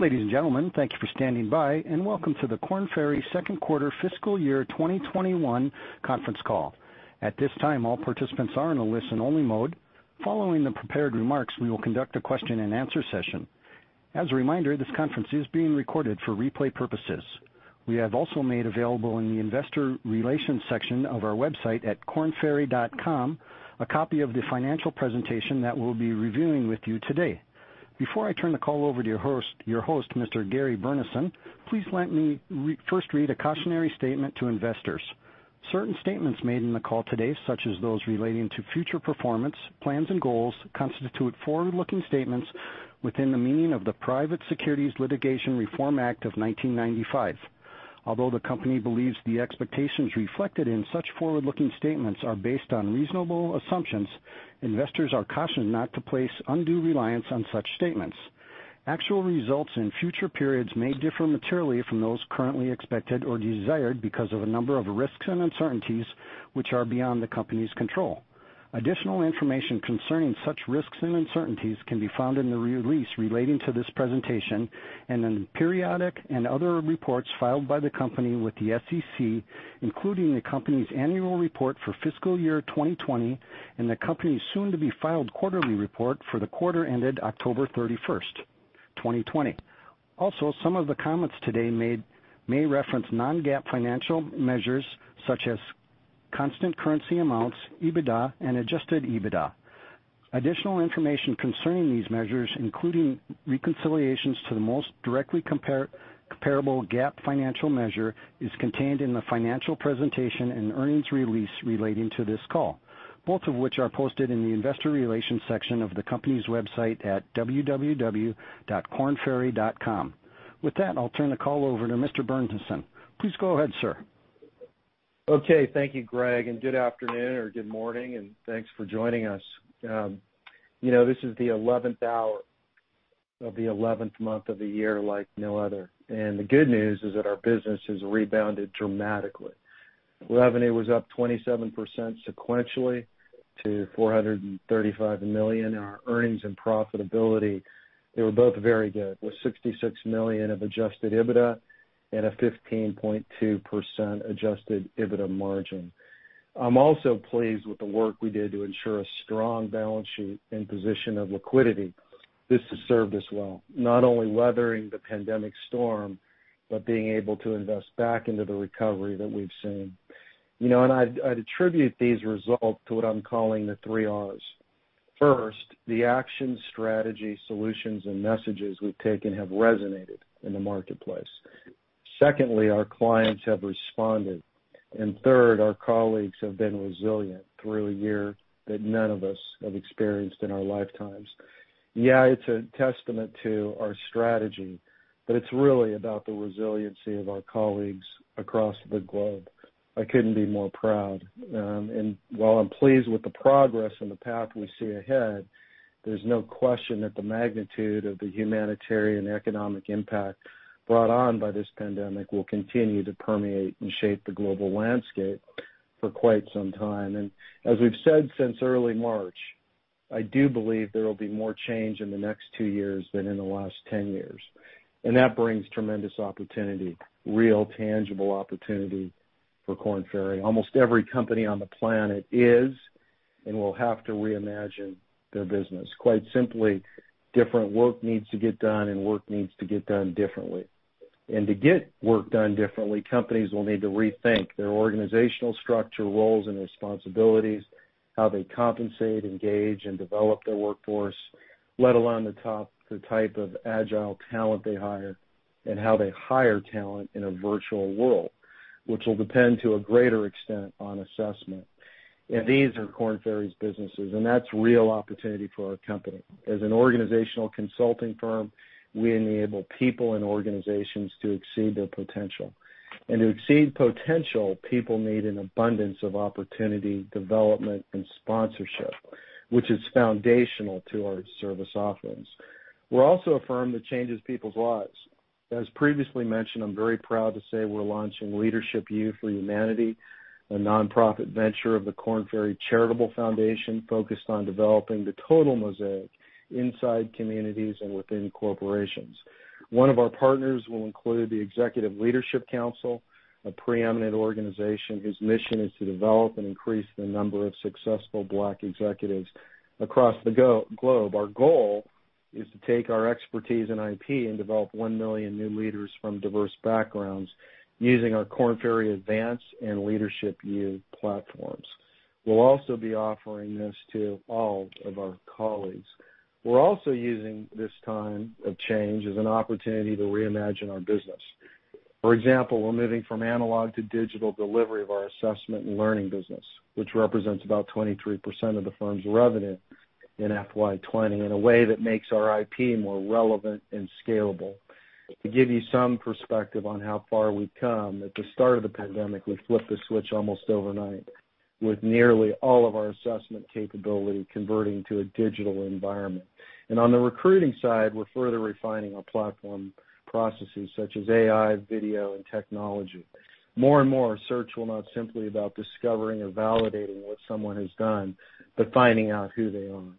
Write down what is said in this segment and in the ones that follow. Ladies and gentlemen, thank you for standing by, and welcome to the Korn Ferry second quarter fiscal year 2021 conference call. At this time, all participants are in a listen-only mode. Following the prepared remarks, we will conduct a question and answer session. As a reminder, this conference is being recorded for replay purposes. We have also made available in the investor relations section of our website at kornferry.com a copy of the financial presentation that we'll be reviewing with you today. Before I turn the call over to your host, Mr. Gary Burnison, please let me first read a cautionary statement to investors. Certain statements made in the call today, such as those relating to future performance, plans, and goals, constitute forward-looking statements within the meaning of the Private Securities Litigation Reform Act of 1995. Although the company believes the expectations reflected in such forward-looking statements are based on reasonable assumptions, investors are cautioned not to place undue reliance on such statements. Actual results in future periods may differ materially from those currently expected or desired because of a number of risks and uncertainties, which are beyond the company's control. Additional information concerning such risks and uncertainties can be found in the release relating to this presentation and in periodic and other reports filed by the company with the SEC, including the company's annual report for fiscal year 2020 and the company's soon-to-be-filed quarterly report for the quarter ended October 31, 2020. Some of the comments today may reference non-GAAP financial measures such as constant currency amounts, EBITDA, and adjusted EBITDA. Additional information concerning these measures, including reconciliations to the most directly comparable GAAP financial measure, is contained in the financial presentation and earnings release relating to this call, both of which are posted in the investor relations section of the company's website at www.kornferry.com. With that, I'll turn the call over to Mr. Burnison. Please go ahead, sir. Okay. Thank you, Gregg. Good afternoon or good morning, thanks for joining us. This is the 11th hour of the 11th month of the year like no other. The good news is that our business has rebounded dramatically. Revenue was up 27% sequentially to $435 million. Our earnings and profitability, they were both very good, with $66 million of adjusted EBITDA and a 15.2% adjusted EBITDA margin. I'm also pleased with the work we did to ensure a strong balance sheet and position of liquidity. This has served us well, not only weathering the pandemic storm, but being able to invest back into the recovery that we've seen. I'd attribute these results to what I'm calling the three Rs. First, the action, strategy, solutions, and messages we've taken have resonated in the marketplace. Secondly, our clients have responded. Third, our colleagues have been resilient through a year that none of us have experienced in our lifetimes. It's a testament to our strategy, but it's really about the resiliency of our colleagues across the globe. I couldn't be more proud. While I'm pleased with the progress and the path we see ahead, there's no question that the magnitude of the humanitarian economic impact brought on by this pandemic will continue to permeate and shape the global landscape for quite some time. As we've said since early March, I do believe there will be more change in the next two years than in the last 10 years. That brings tremendous opportunity, real, tangible opportunity for Korn Ferry. Almost every company on the planet is and will have to reimagine their business. Quite simply, different work needs to get done and work needs to get done differently. To get work done differently, companies will need to rethink their organizational structure, roles, and responsibilities, how they compensate, engage, and develop their workforce, let alone the type of agile talent they hire and how they hire talent in a virtual world, which will depend to a greater extent on assessment. These are Korn Ferry's businesses, and that's real opportunity for our company. As an organizational consulting firm, we enable people and organizations to exceed their potential. To exceed potential, people need an abundance of opportunity, development, and sponsorship, which is foundational to our service offerings. We're also a firm that changes people's lives. As previously mentioned, I'm very proud to say we're launching Leadership U for Humanity, a nonprofit venture of the Korn Ferry Charitable Foundation focused on developing the total mosaic inside communities and within corporations. One of our partners will include The Executive Leadership Council, a preeminent organization whose mission is to develop and increase the number of successful Black executives across the globe. Our goal is to take our expertise and IP and develop 1 million new leaders from diverse backgrounds using our Korn Ferry Advance and Leadership U platforms. We'll also be offering this to all of our colleagues. We're also using this time of change as an opportunity to reimagine our business. For example, we're moving from analog to digital delivery of our assessment and learning business, which represents about 23% of the firm's revenue in FY 2020, in a way that makes our IP more relevant and scalable. To give you some perspective on how far we've come, at the start of the pandemic, we flipped the switch almost overnight with nearly all of our assessment capability converting to a digital environment. On the recruiting side, we're further refining our platform processes such as AI, video, and technology. More and more, search will not simply be about discovering or validating what someone has done, but finding out who they are.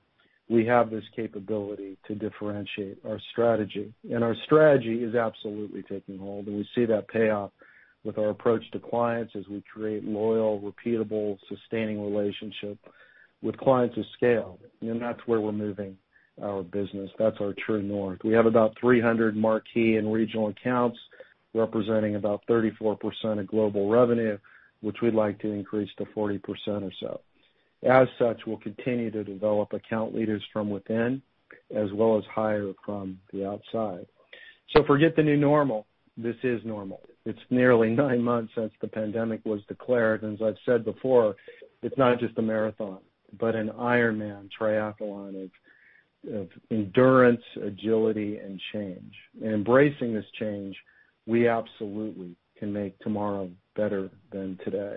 We have this capability to differentiate our strategy, and our strategy is absolutely taking hold, and we see that pay off with our approach to clients as we create loyal, repeatable, sustaining relationship with clients of scale. That's where we're moving our business. That's our true north. We have about 300 marquee and regional accounts representing about 34% of global revenue, which we'd like to increase to 40% or so. As such, we'll continue to develop account leaders from within, as well as hire from the outside. Forget the new normal. This is normal. It's nearly nine months since the pandemic was declared, and as I've said before, it's not just a marathon, but an Ironman triathlon of endurance, agility, and change. In embracing this change, we absolutely can make tomorrow better than today.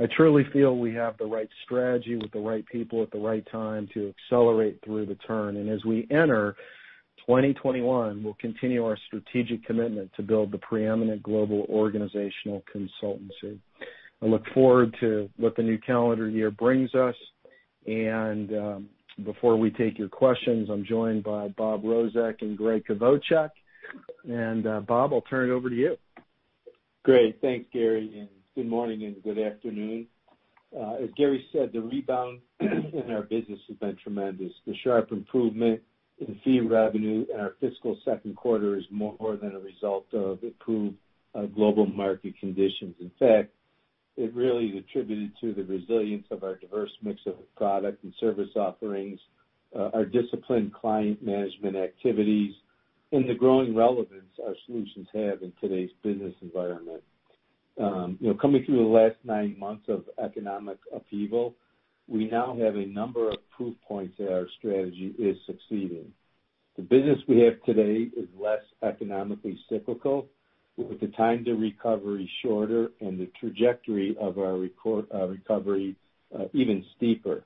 I truly feel we have the right strategy with the right people at the right time to accelerate through the turn. As we enter 2021, we'll continue our strategic commitment to build the preeminent global organizational consultancy. I look forward to what the new calendar year brings us. Before we take your questions, I'm joined by Bob Rozek and Gregg Kvochak. Bob, I'll turn it over to you. Great. Thanks, Gary, and good morning and good afternoon. As Gary said, the rebound in our business has been tremendous. The sharp improvement in fee revenue in our fiscal second quarter is more than a result of improved global market conditions. In fact, it really is attributed to the resilience of our diverse mix of product and service offerings, our disciplined client management activities, and the growing relevance our solutions have in today's business environment. Coming through the last nine months of economic upheaval, we now have a number of proof points that our strategy is succeeding. The business we have today is less economically cyclical, with the time to recovery shorter and the trajectory of our recovery even steeper.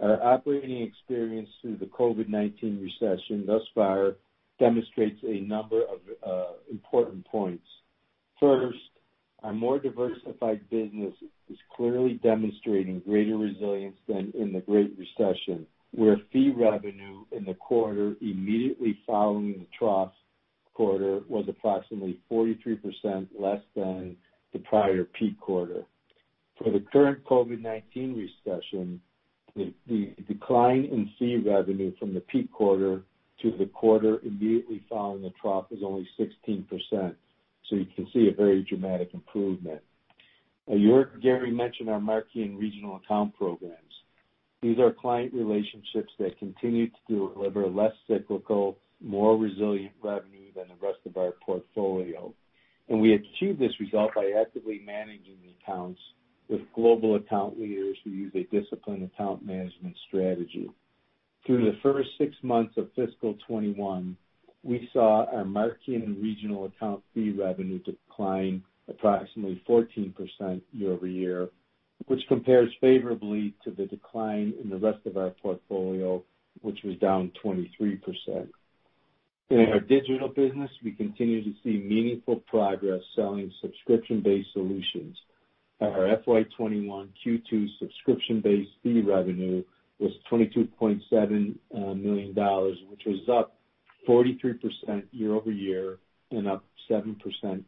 Our operating experience through the COVID-19 recession thus far demonstrates a number of important points. First, our more diversified business is clearly demonstrating greater resilience than in the Great Recession, where fee revenue in the quarter immediately following the trough quarter was approximately 43% less than the prior peak quarter. For the current COVID-19 recession, the decline in fee revenue from the peak quarter to the quarter immediately following the trough is only 16%. You can see a very dramatic improvement. Earlier, Gary mentioned our marquee and regional account programs. These are client relationships that continue to deliver less cyclical, more resilient revenue than the rest of our portfolio. We achieve this result by actively managing the accounts with global account leaders who use a disciplined account management strategy. Through the first six months of fiscal 2021, we saw our marquee and regional account fee revenue decline approximately 14% year-over-year, which compares favorably to the decline in the rest of our portfolio, which was down 23%. In our digital business, we continue to see meaningful progress selling subscription-based solutions. Our FY 2021 Q2 subscription-based fee revenue was $22.7 million, which was up 43% year-over-year and up 7%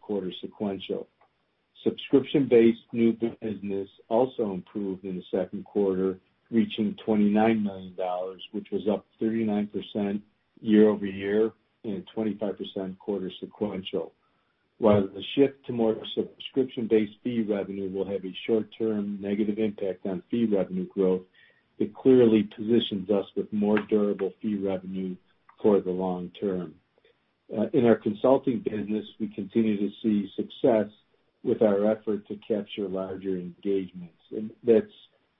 quarter-sequential. Subscription-based new business also improved in the second quarter, reaching $29 million, which was up 39% year-over-year and 25% quarter-sequential. While the shift to more subscription-based fee revenue will have a short-term negative impact on fee revenue growth, it clearly positions us with more durable fee revenue for the long term. In our consulting business, we continue to see success with our effort to capture larger engagements. That's,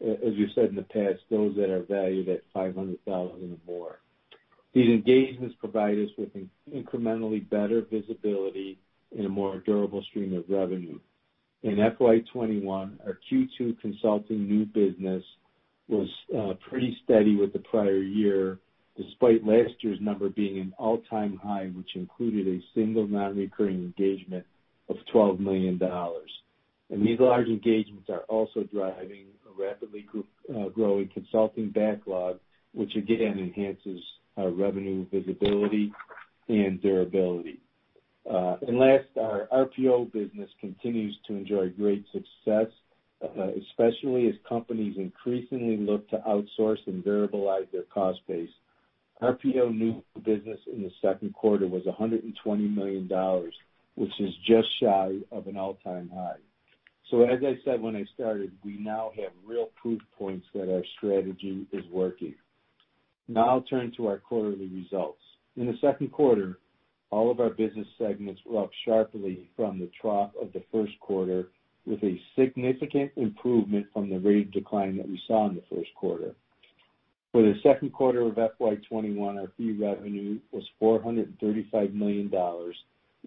as you said in the past, those that are valued at $500,000 or more. These engagements provide us with an incrementally better visibility and a more durable stream of revenue. In FY21, our Q2 consulting new business was pretty steady with the prior year, despite last year's number being an all-time high, which included a single non-recurring engagement of $12 million. These large engagements are also driving a rapidly growing consulting backlog, which again, enhances our revenue visibility and durability. Last, our RPO business continues to enjoy great success, especially as companies increasingly look to outsource and variable-ize their cost base. RPO new business in the second quarter was $120 million, which is just shy of an all-time high. As I said when I started, we now have real proof points that our strategy is working. I'll turn to our quarterly results. In the second quarter, all of our business segments were up sharply from the trough of the first quarter, with a significant improvement from the rate decline that we saw in the first quarter. For the second quarter of FY21, our fee revenue was $435 million,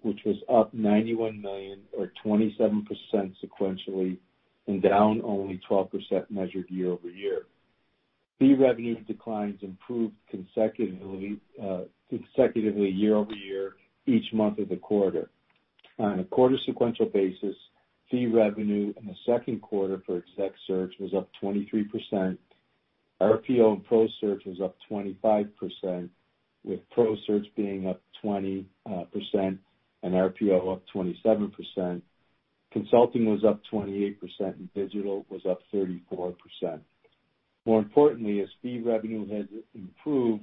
which was up $91 million or 27% sequentially, and down only 12% measured year-over-year. Fee revenue declines improved consecutively year-over-year, each month of the quarter. On a quarter-sequential basis, fee revenue in the second quarter for Executive Search was up 23%. RPO and Professional Search was up 25%, with Professional Search being up 20% and RPO up 27%. Consulting was up 28%, and Digital was up 34%. More importantly, as fee revenue has improved,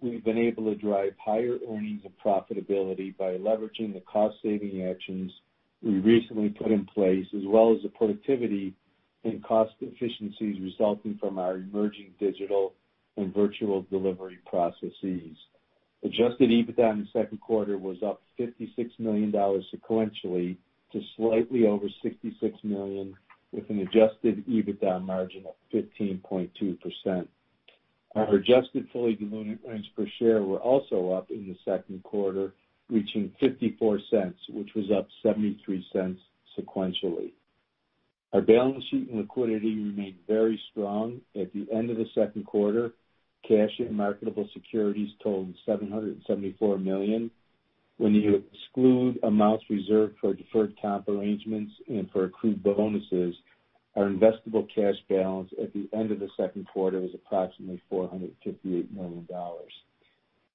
we've been able to drive higher earnings and profitability by leveraging the cost-saving actions we recently put in place as well as the productivity and cost efficiencies resulting from our emerging Digital and virtual delivery processes. Adjusted EBITDA in the second quarter was up $56 million sequentially to slightly over $66 million, with an adjusted EBITDA margin of 15.2%. Our adjusted fully diluted earnings per share were also up in the second quarter, reaching $0.54, which was up $0.73 sequentially. Our balance sheet and liquidity remained very strong. At the end of the second quarter, cash and marketable securities totaled $774 million. When you exclude amounts reserved for deferred comp arrangements and for accrued bonuses, our investable cash balance at the end of the second quarter was approximately $458 million.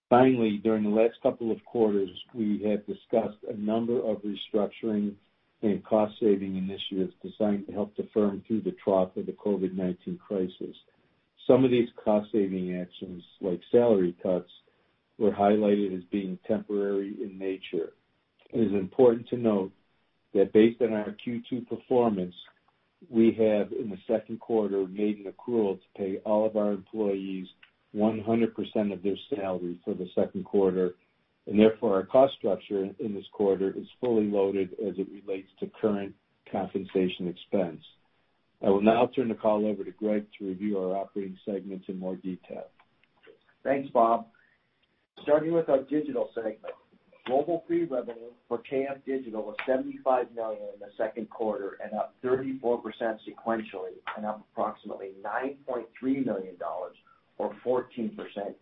Finally, during the last couple of quarters, we have discussed a number of restructuring and cost-saving initiatives designed to help the firm through the trough of the COVID-19 crisis. Some of these cost-saving actions, like salary cuts, were highlighted as being temporary in nature. It is important to note that based on our Q2 performance, we have, in the second quarter, made an accrual to pay all of our employees 100% of their salary for the second quarter, and therefore our cost structure in this quarter is fully loaded as it relates to current compensation expense. I will now turn the call over to Gregg to review our operating segments in more detail. Thanks, Bob. Starting with our digital segment, global fee revenue for KF Digital was $75 million in the second quarter and up 34% sequentially and up approximately $9.3 million, or 14%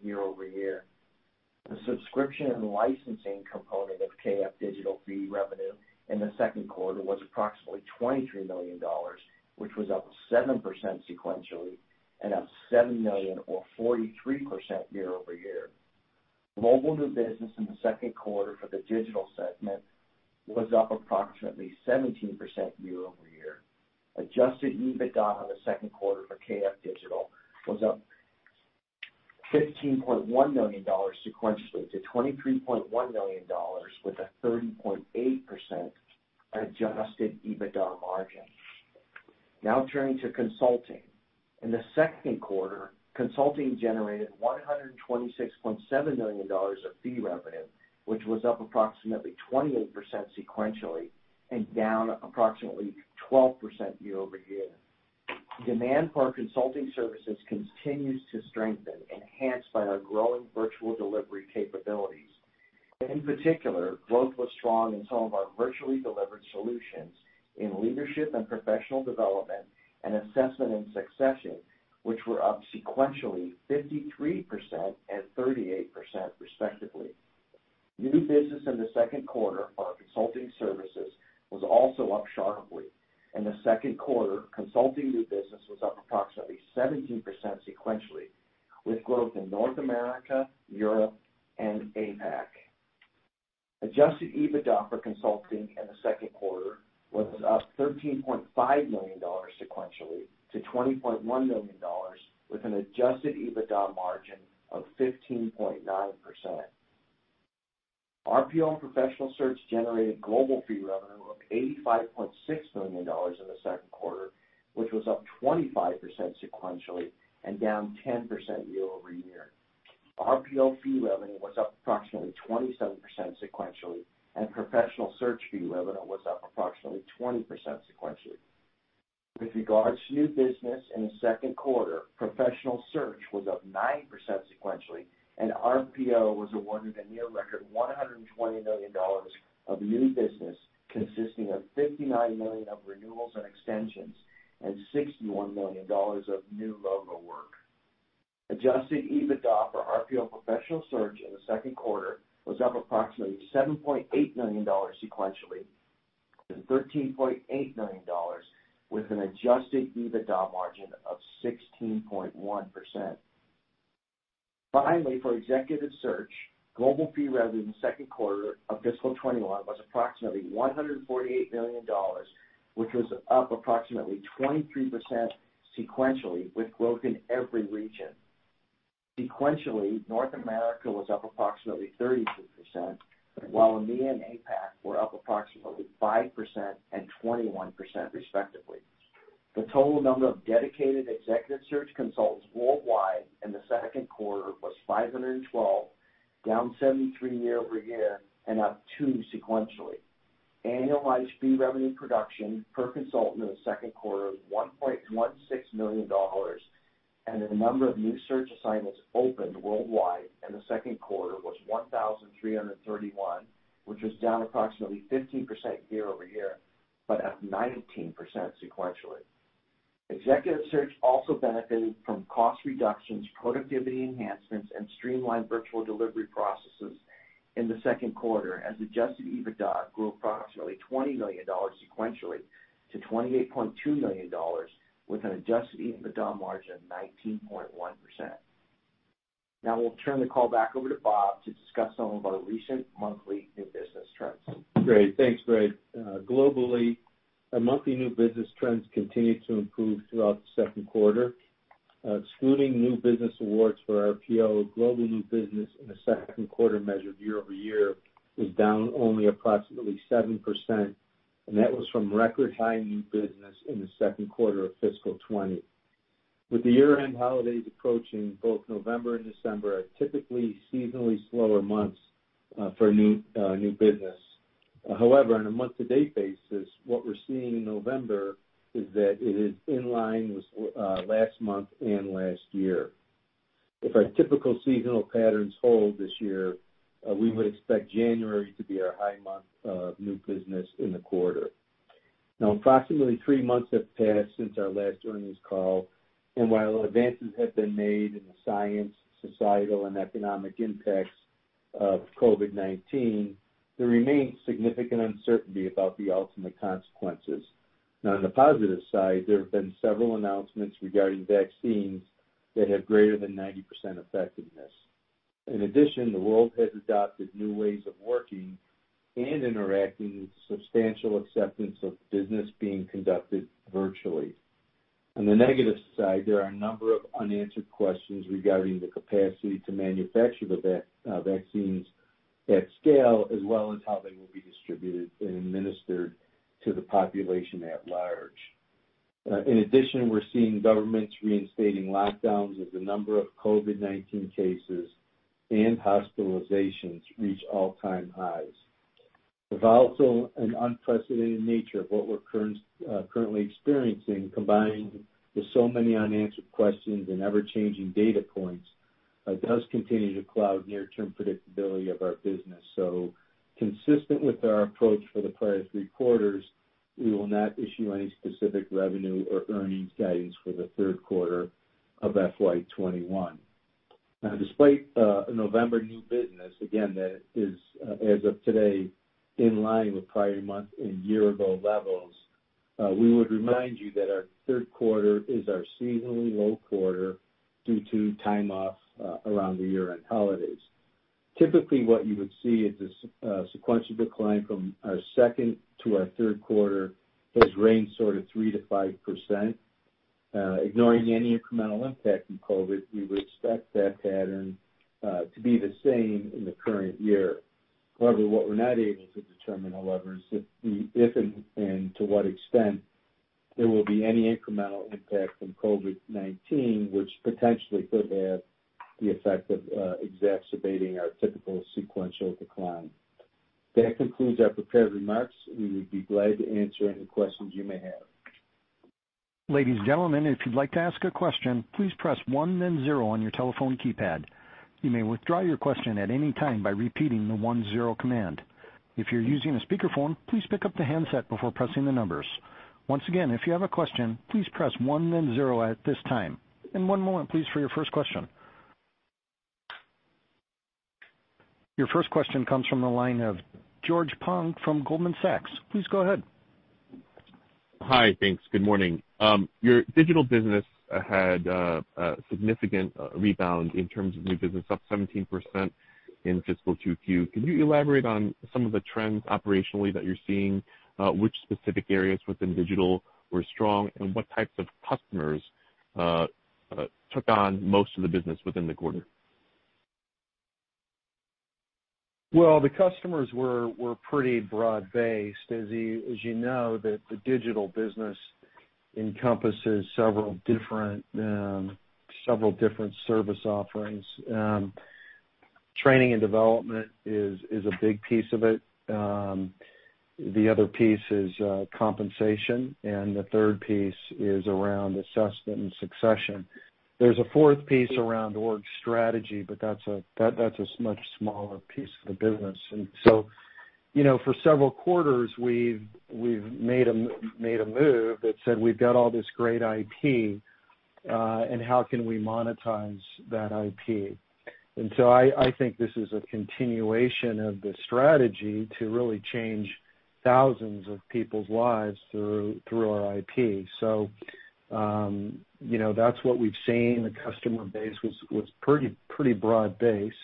year-over-year. The subscription and licensing component of KF Digital fee revenue in the second quarter was approximately $23 million, which was up 7% sequentially and up $7 million, or 43% year-over-year. Global new business in the second quarter for the digital segment was up approximately 17% year-over-year. Adjusted EBITDA on the second quarter for KF Digital was up $15.1 million sequentially to $23.1 million, with a 30.8% adjusted EBITDA margin. Now turning to consulting. In the second quarter, consulting generated $126.7 million of fee revenue, which was up approximately 28% sequentially and down approximately 12% year-over-year. Demand for our consulting services continues to strengthen, enhanced by our growing virtual delivery capabilities. In particular, growth was strong in some of our virtually delivered solutions in leadership and professional development and assessment and succession, which were up sequentially 53% and 38%, respectively. New business in the second quarter for our consulting services was also up sharply. In the second quarter, consulting new business was up approximately 17% sequentially, with growth in North America, Europe, and APAC. Adjusted EBITDA for consulting in the second quarter was up $13.5 million sequentially to $20.1 million, with an adjusted EBITDA margin of 15.9%. RPO and Professional Search generated global fee revenue of $85.6 million in the second quarter, which was up 25% sequentially and down 10% year-over-year. RPO fee revenue was up approximately 27% sequentially, and Professional Search fee revenue was up approximately 20% sequentially. With regards to new business in the second quarter, Professional Search was up 9% sequentially, and RPO was awarded a near-record $120 million of new business, consisting of $59 million of renewals and extensions and $61 million of new logo work. Adjusted EBITDA for RPO Professional Search in the second quarter was up approximately $7.8 million sequentially to $13.8 million, with an adjusted EBITDA margin of 16.1%. Finally, for Executive Search, global fee revenue in the second quarter of fiscal 2021 was approximately $148 million, which was up approximately 23% sequentially, with growth in every region. Sequentially, North America was up approximately 32%, while EMEA and APAC were up approximately 5% and 21%, respectively. The total number of dedicated Executive Search consultants worldwide in the second quarter was 512, down 73 year-over-year and up two sequentially. Annualized fee revenue production per consultant in the second quarter was $1.16 million, and the number of new search assignments opened worldwide in the second quarter was 1,331, which was down approximately 15% year-over-year, but up 19% sequentially. Executive Search also benefited from cost reductions, productivity enhancements, and streamlined virtual delivery processes in the second quarter, as adjusted EBITDA grew approximately $20 million sequentially to $28.2 million, with an adjusted EBITDA margin of 19.1%. Now we'll turn the call back over to Bob to discuss some of our recent monthly new business trends. Great. Thanks, Gregg. Globally, our monthly new business trends continued to improve throughout the second quarter. Excluding new business awards for our RPO, global new business in the second quarter measured year-over-year was down only approximately 7%, and that was from record high new business in the second quarter of FY 2020. With the year-end holidays approaching, both November and December are typically seasonally slower months for new business. On a month-to-date basis, what we're seeing in November is that it is in line with last month and last year. If our typical seasonal patterns hold this year, we would expect January to be our high month of new business in the quarter. Approximately three months have passed since our last earnings call, and while advances have been made in the science, societal, and economic impacts of COVID-19, there remains significant uncertainty about the ultimate consequences. On the positive side, there have been several announcements regarding vaccines that have greater than 90% effectiveness. In addition, the world has adopted new ways of working and interacting with substantial acceptance of business being conducted virtually. On the negative side, there are a number of unanswered questions regarding the capacity to manufacture the vaccines at scale, as well as how they will be distributed and administered to the population at large. In addition, we're seeing governments reinstating lockdowns as the number of COVID-19 cases and hospitalizations reach all-time highs. With also an unprecedented nature of what we're currently experiencing, combined with so many unanswered questions and ever-changing data points, it does continue to cloud near-term predictability of our business. Consistent with our approach for the past three quarters, we will not issue any specific revenue or earnings guidance for the third quarter of FY 2021. Now, despite November new business, again, that is, as of today, in line with prior month and year-ago levels, we would remind you that our third quarter is our seasonally low quarter due to time off around the year-end holidays. Typically, what you would see is a sequential decline from our second to our third quarter has ranged sort of 3%-5%. Ignoring any incremental impact from COVID-19, we would expect that pattern to be the same in the current year. However, what we're not able to determine is if and to what extent there will be any incremental impact from COVID-19, which potentially could have the effect of exacerbating our typical sequential decline. That concludes our prepared remarks. We would be glad to answer any questions you may have. One moment, please, for your first question. Your first question comes from the line of George Tong from Goldman Sachs. Please go ahead. Hi. Thanks. Good morning. Your digital business had a significant rebound in terms of new business, up 17% in fiscal 2Q. Can you elaborate on some of the trends operationally that you're seeing, which specific areas within digital were strong, and what types of customers took on most of the business within the quarter? Well, the customers were pretty broad-based. As you know, the Digital business encompasses several different service offerings. Training and development is a big piece of it. The other piece is compensation, and the third piece is around assessment and succession. There's a fourth piece around org strategy, but that's a much smaller piece of the business. For several quarters, we've made a move that said we've got all this great IP, and how can we monetize that IP? I think this is a continuation of the strategy to really change thousands of people's lives through our IP. That's what we've seen. The customer base was pretty broad-based.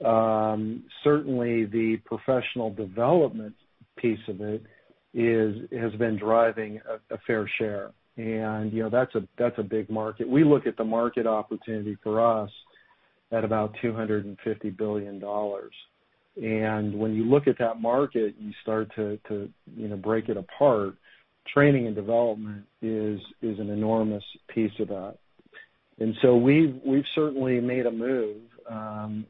Certainly, the professional development piece of it has been driving a fair share, and that's a big market. We look at the market opportunity for us at about $250 billion. When you look at that market, you start to break it apart, training and development is an enormous piece of that. We've certainly made a move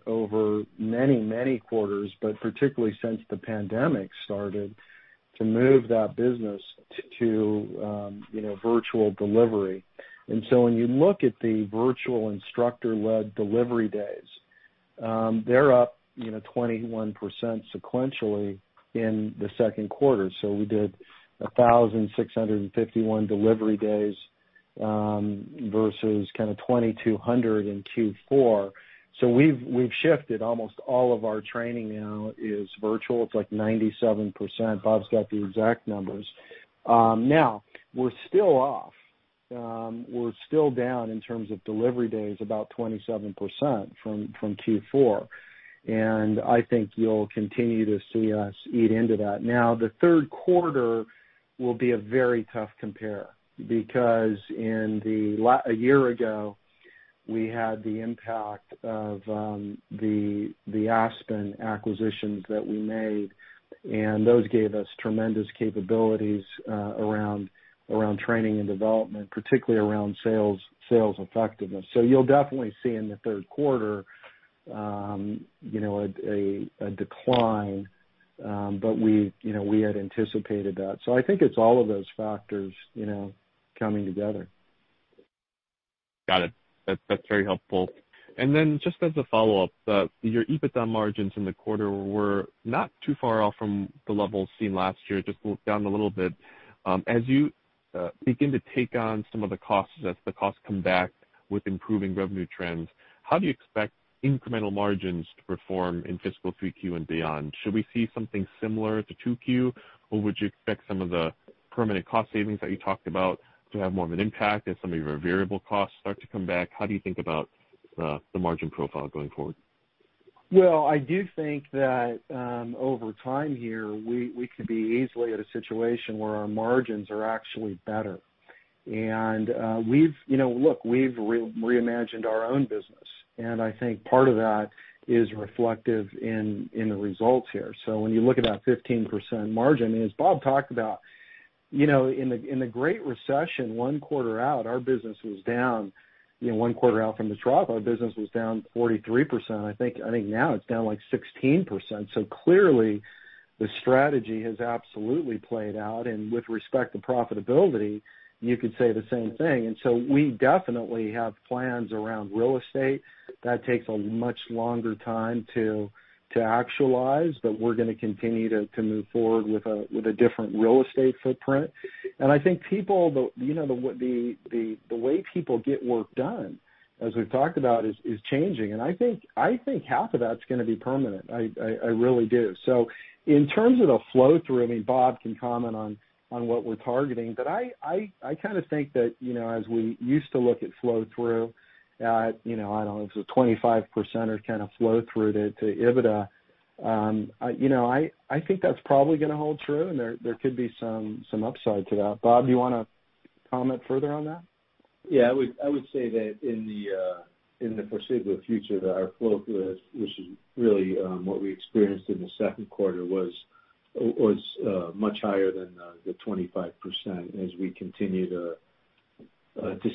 over many, many quarters, but particularly since the pandemic started, to move that business to virtual delivery. When you look at the virtual instructor-led delivery days. They're up 21% sequentially in the second quarter. We did 1,651 delivery days, versus kind of 2,200 in Q4. We've shifted. Almost all of our training now is virtual. It's like 97%. Bob's got the exact numbers. We're still off. We're still down in terms of delivery days, about 27% from Q4. I think you'll continue to see us eat into that. The third quarter will be a very tough compare because a year ago, we had the impact of the Aspen acquisitions that we made, and those gave us tremendous capabilities around training and development, particularly around sales effectiveness. You'll definitely see in the third quarter a decline. We had anticipated that. I think it's all of those factors coming together. Got it. That's very helpful. Just as a follow-up, your EBITDA margins in the quarter were not too far off from the levels seen last year, just down a little bit. As you begin to take on some of the costs, as the costs come back with improving revenue trends, how do you expect incremental margins to perform in fiscal Q3 and beyond? Should we see something similar to Q2, or would you expect some of the permanent cost savings that you talked about to have more of an impact as some of your variable costs start to come back? How do you think about the margin profile going forward? I do think that, over time here, we could be easily at a situation where our margins are actually better. Look, we've reimagined our own business, and I think part of that is reflective in the results here. When you look at that 15% margin, as Bob talked about, in the Great Recession, one quarter out, our business was down. One quarter out from the trough, our business was down 43%. I think now it's down, like, 16%. Clearly, the strategy has absolutely played out. With respect to profitability, you could say the same thing. We definitely have plans around real estate. That takes a much longer time to actualize, but we're going to continue to move forward with a different real estate footprint. I think the way people get work done, as we've talked about, is changing, I think half of that's going to be permanent. I really do. In terms of the flow-through, Bob can comment on what we're targeting, but I kind of think that as we used to look at flow-through, I don't know, it was a 25% kind of flow-through to EBITDA. I think that's probably going to hold true, and there could be some upside to that. Bob, do you want to comment further on that? Yeah. I would say that in the foreseeable future, that our flow-through, which is really what we experienced in the second quarter, was much higher than the 25%. As we continue to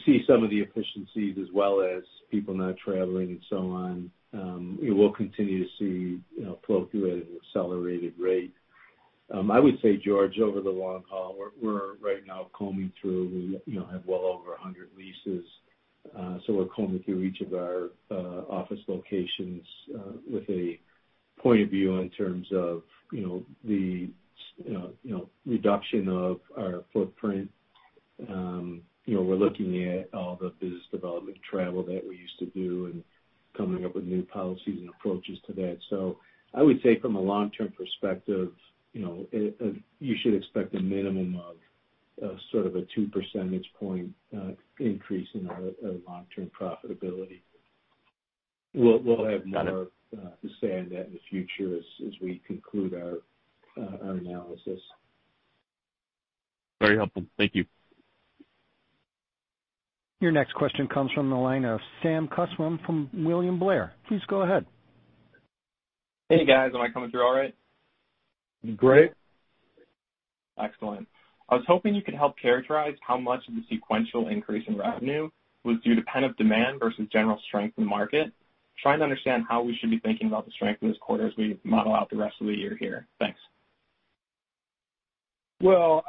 see some of the efficiencies as well as people not traveling and so on, we will continue to see flow-through at an accelerated rate. I would say, George, over the long haul, we're right now combing through. We have well over 100 leases. We're combing through each of our office locations with a point of view in terms of the reduction of our footprint. We're looking at all the business development travel that we used to do and coming up with new policies and approaches to that. I would say from a long-term perspective, you should expect a minimum of sort of a two percentage point increase in our long-term profitability. We'll have more. to say on that in the future as we conclude our analysis. Very helpful. Thank you. Your next question comes from the line of Sam Kusswurm from William Blair. Please go ahead. Hey, guys. Am I coming through all right? Great. Excellent. I was hoping you could help characterize how much of the sequential increase in revenue was due to pent-up demand versus general strength in the market. Trying to understand how we should be thinking about the strength of this quarter as we model out the rest of the year here. Thanks. Well,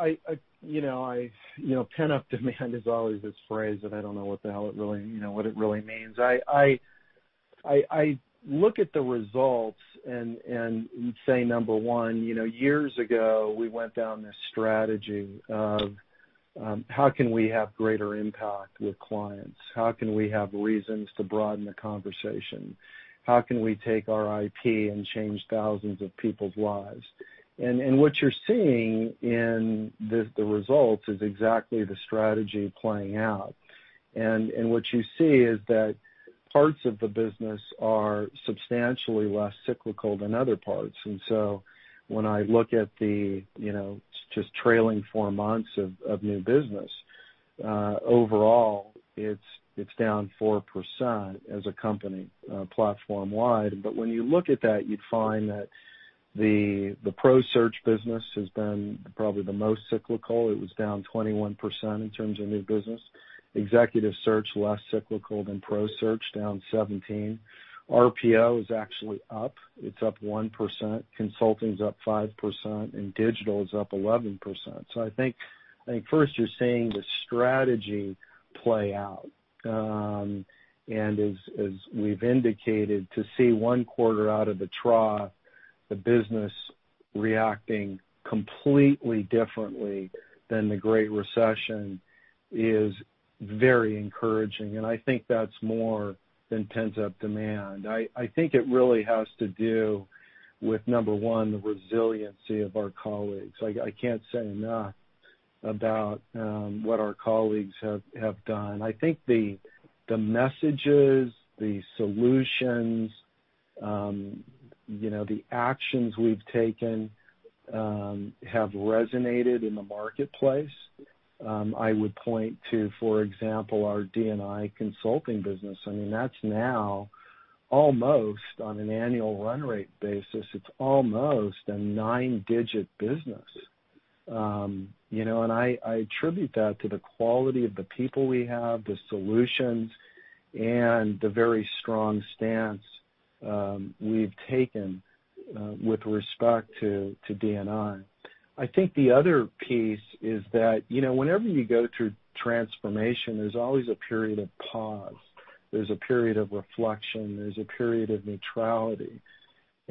pent-up demand is always this phrase that I don't know what it really means. I look at the results and say, number one, years ago, we went down this strategy of how can we have greater impact with clients? How can we have reasons to broaden the conversation? How can we take our IP and change thousands of people's lives? What you're seeing in the results is exactly the strategy playing out. What you see is that parts of the business are substantially less cyclical than other parts. When I look at the just trailing 4 months of new business, overall it's down 4% as a company platform-wide. When you look at that, you'd find that the Professional Search business has been probably the most cyclical. It was down 21% in terms of new business. Executive Search, less cyclical than Professional Search, down 17%. RPO is actually up. It's up 1%. Consulting's up 5%, and Digital is up 11%. I think first you're seeing the strategy play out. As we've indicated, to see one quarter out of the trough, the business reacting completely differently than the Great Recession is very encouraging, and I think that is more than pent-up demand. I think it really has to do with, number one, the resiliency of our colleagues. I can't say enough about what our colleagues have done. I think the messages, the solutions, the actions we've taken have resonated in the marketplace. I would point to, for example, our D&I consulting business. That is now almost, on an annual run rate basis, it's almost a nine-digit business. I attribute that to the quality of the people we have, the solutions, and the very strong stance we've taken with respect to D&I. I think the other piece is that whenever you go through transformation, there's always a period of pause. There's a period of reflection, there's a period of neutrality.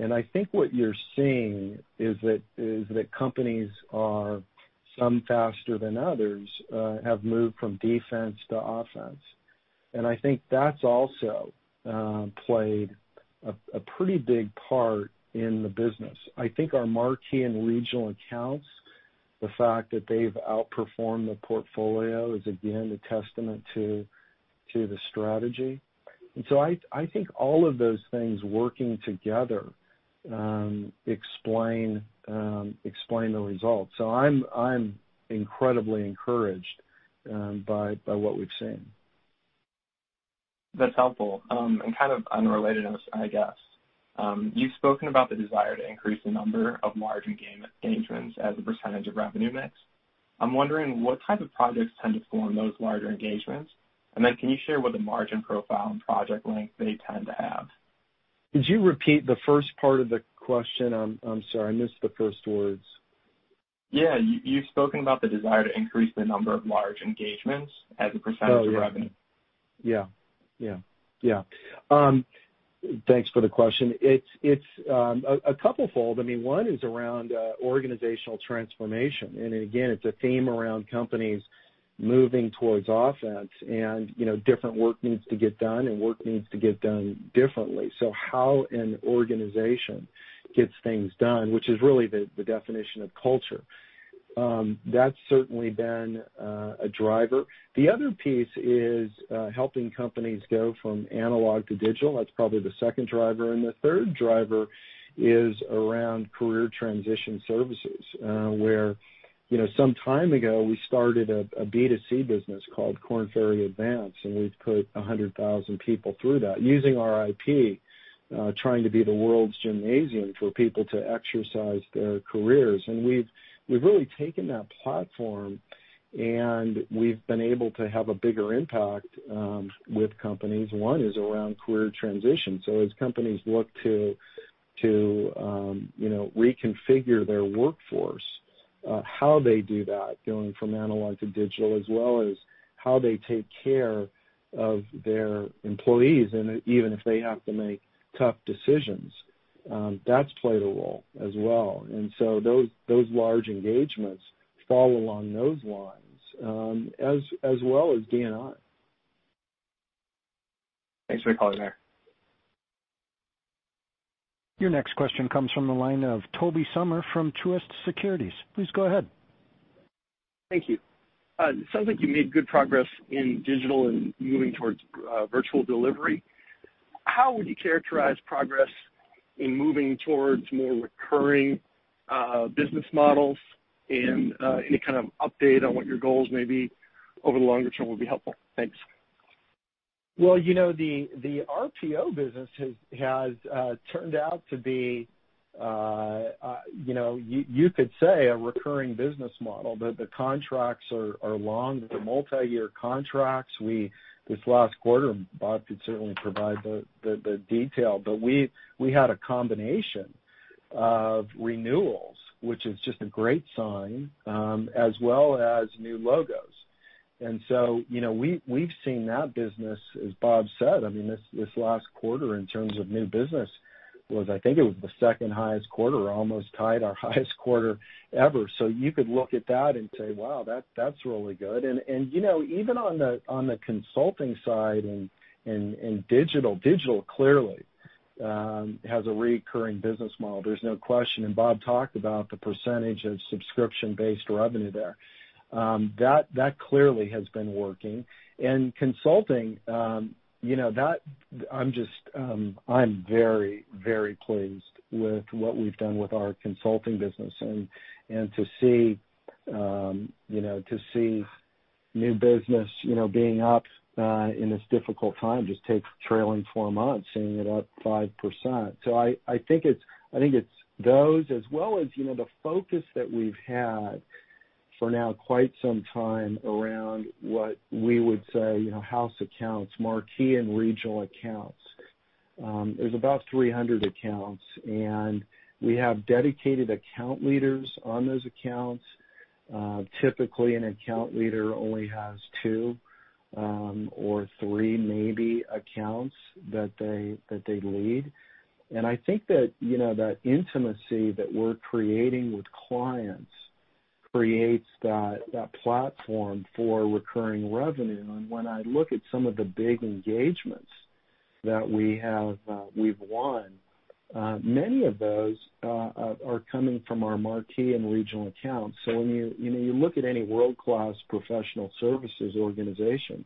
I think what you are seeing is that companies are, some faster than others, have moved from defense to offense. I think that has also played a pretty big part in the business. I think our marquee and regional accounts, the fact that they have outperformed the portfolio is, again, a testament to the strategy. I think all of those things working together explain the results. I am incredibly encouraged by what we have seen. That's helpful. Kind of unrelated, I guess. You've spoken about the desire to increase the number of large engagements as a percentage of revenue mix. I'm wondering what type of projects tend to form those larger engagements, can you share what the margin profile and project length they tend to have? Could you repeat the first part of the question? I'm sorry, I missed the first words. Yeah. You've spoken about the desire to increase the number of large engagements as a percentage of revenue. Yeah. Thanks for the question. It's a couple-fold. One is around organizational transformation. Again, it's a theme around companies moving towards offense and different work needs to get done and work needs to get done differently. How an organization gets things done, which is really the definition of culture. That's certainly been a driver. The other piece is helping companies go from analog to digital. That's probably the second driver. The third driver is around career transition services. Where some time ago, we started a B2C business called Korn Ferry Advance, and we've put 100,000 people through that using our IP, trying to be the world's gymnasium for people to exercise their careers. We've really taken that platform, and we've been able to have a bigger impact with companies. One is around career transition. As companies look to reconfigure their workforce, how they do that going from analog to digital, as well as how they take care of their employees, and even if they have to make tough decisions. That has played a role as well. Those large engagements fall along those lines, as well as D&I. Thanks for the color there. Your next question comes from the line of Tobey Sommer from Truist Securities. Please go ahead. Thank you. It sounds like you made good progress in digital and moving towards virtual delivery. How would you characterize progress in moving towards more recurring business models? Any kind of update on what your goals may be over the longer term would be helpful. Thanks. Well, the RPO business has turned out to be, you could say, a recurring business model. The contracts are long. They are multi-year contracts. This last quarter, Bob could certainly provide the detail, but we had a combination of renewals, which is just a great sign, as well as new logos. We've seen that business, as Bob said, this last quarter in terms of new business was, I think it was the second highest quarter or almost tied our highest quarter ever. You could look at that and say, "Wow, that's really good." Even on the consulting side and Digital. Digital clearly has a reoccurring business model. There's no question, and Bob talked about the percentage of subscription-based revenue there. That clearly has been working. Consulting, I'm very, very pleased with what we've done with our consulting business. To see new business being up in this difficult time, just take trailing four months, seeing it up 5%. I think it's those as well as the focus that we've had for now quite some time around what we would say house accounts, marquee and regional accounts. There's about 300 accounts, and we have dedicated account leaders on those accounts. Typically, an account leader only has two or three, maybe, accounts that they lead. I think that intimacy that we're creating with clients creates that platform for recurring revenue. When I look at some of the big engagements that we've won, many of those are coming from our marquee and regional accounts. When you look at any world-class professional services organization,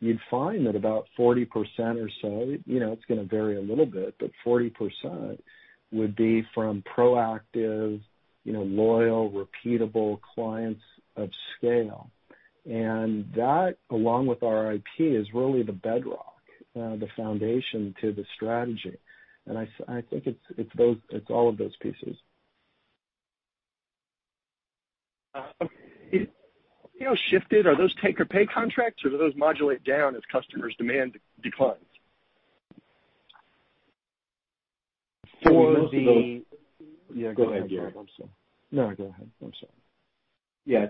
you'd find that about 40% or so, it's going to vary a little bit, but 40% would be from proactive, loyal, repeatable clients of scale. That, along with our IP, is really the bedrock, the foundation to the strategy. I think it's all of those pieces. Okay. Have you all shifted? Are those take or pay contracts, or do those modulate down as customers' demand declines? For the- I think most of those- Yeah, go ahead, Gary. I'm sorry. No, go ahead. I'm sorry. Yeah, I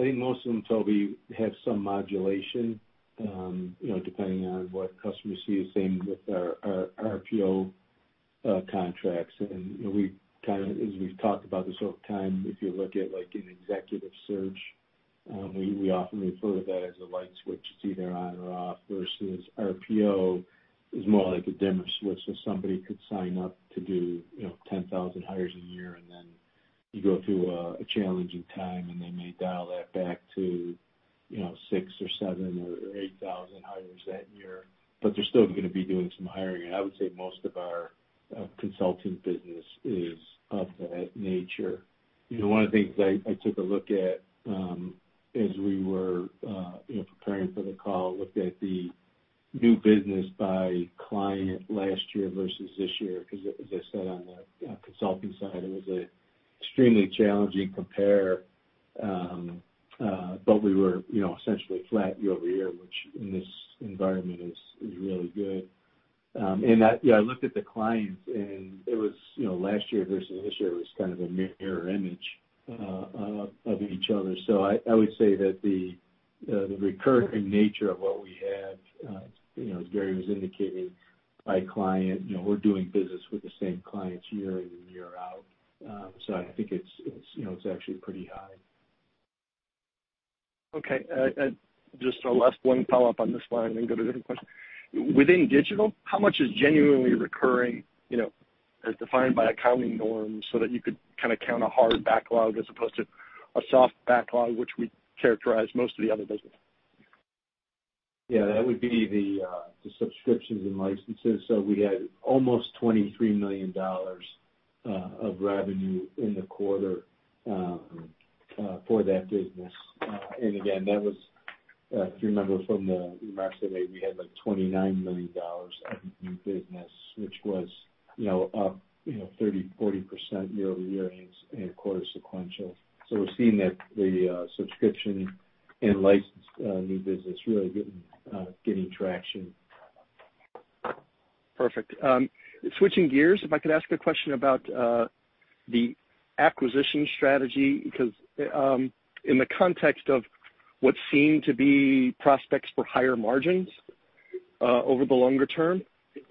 think most of them, Tobey, have some modulation, depending on what customers see, the same with our RPO contracts. As we've talked about this over time, if you look at an Executive Search, we often refer to that as a light switch. It's either on or off, versus RPO is more like a dimmer switch. Somebody could sign up to do 10,000 hires a year, and then you go through a challenging time, and they may dial that back to 6,000 or 7,000 or 8,000 hires that year. They're still going to be doing some hiring, and I would say most of our consulting business is of that nature. One of the things I took a look at as we were preparing for the call, looked at the new business by client last year versus this year, because as I said, on the consulting side, it was an extremely challenging compare. We were essentially flat year-over-year, which in this environment is really good. I looked at the clients, and last year versus this year was kind of a mirror image of each other. I would say that the recurring nature of what we had, as Gary was indicating, by client, we're doing business with the same clients year in, year out. I think it's actually pretty high. Okay. Just a last one follow-up on this one, and then go to a different question. Within Digital, how much is genuinely recurring, as defined by accounting norms, so that you could kind of count a hard backlog as opposed to a soft backlog, which would characterize most of the other business? Yeah, that would be the subscriptions and licenses. We had almost $23 million of revenue in the quarter for that business. Again, that was, if you remember from the 8K, we had like $29 million of new business, which was up 30%-40% year-over-year and quarter sequential. We're seeing that the subscription and license new business really getting traction. Perfect. Switching gears, if I could ask a question about the acquisition strategy, because in the context of what seem to be prospects for higher margins over the longer term,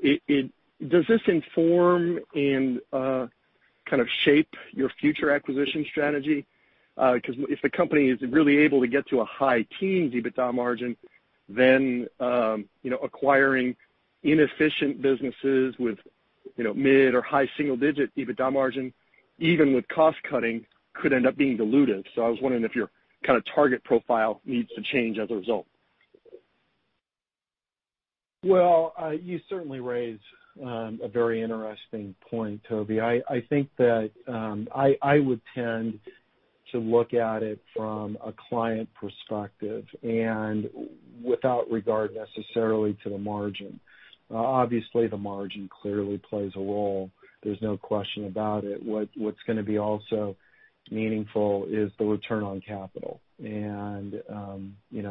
does this inform and kind of shape your future acquisition strategy? Because if the company is really able to get to a high teens EBITDA margin, then acquiring inefficient businesses with mid or high single-digit EBITDA margin, even with cost-cutting, could end up being dilutive. I was wondering if your kind of target profile needs to change as a result. You certainly raise a very interesting point, Tobey. I think that I would tend to look at it from a client perspective and without regard necessarily to the margin. Obviously, the margin clearly plays a role. There's no question about it. What's going to be also meaningful is the return on capital.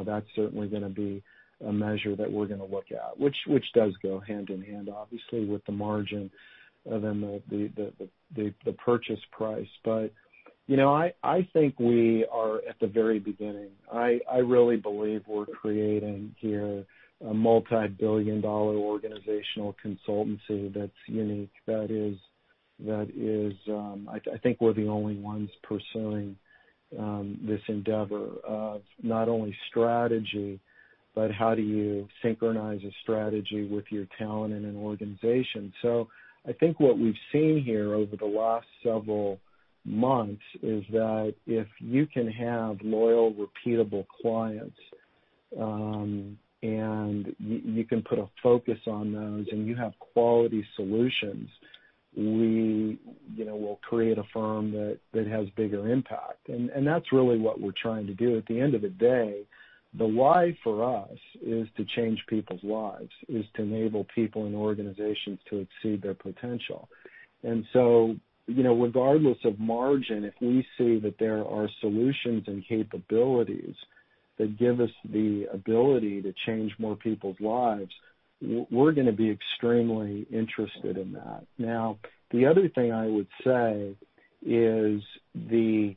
That's certainly going to be a measure that we're going to look at, which does go hand in hand, obviously, with the margin, then the purchase price. I think we are at the very beginning. I really believe we're creating here a multibillion-dollar organizational consultancy that's unique. I think we're the only ones pursuing this endeavor of not only strategy, but how do you synchronize a strategy with your talent in an organization. I think what we've seen here over the last several months is that if you can have loyal, repeatable clients, and you can put a focus on those, and you have quality solutions, we'll create a firm that has bigger impact. That's really what we're trying to do. At the end of the day, the why for us is to change people's lives, is to enable people and organizations to exceed their potential. Regardless of margin, if we see that there are solutions and capabilities that give us the ability to change more people's lives, we're going to be extremely interested in that. The other thing I would say is the,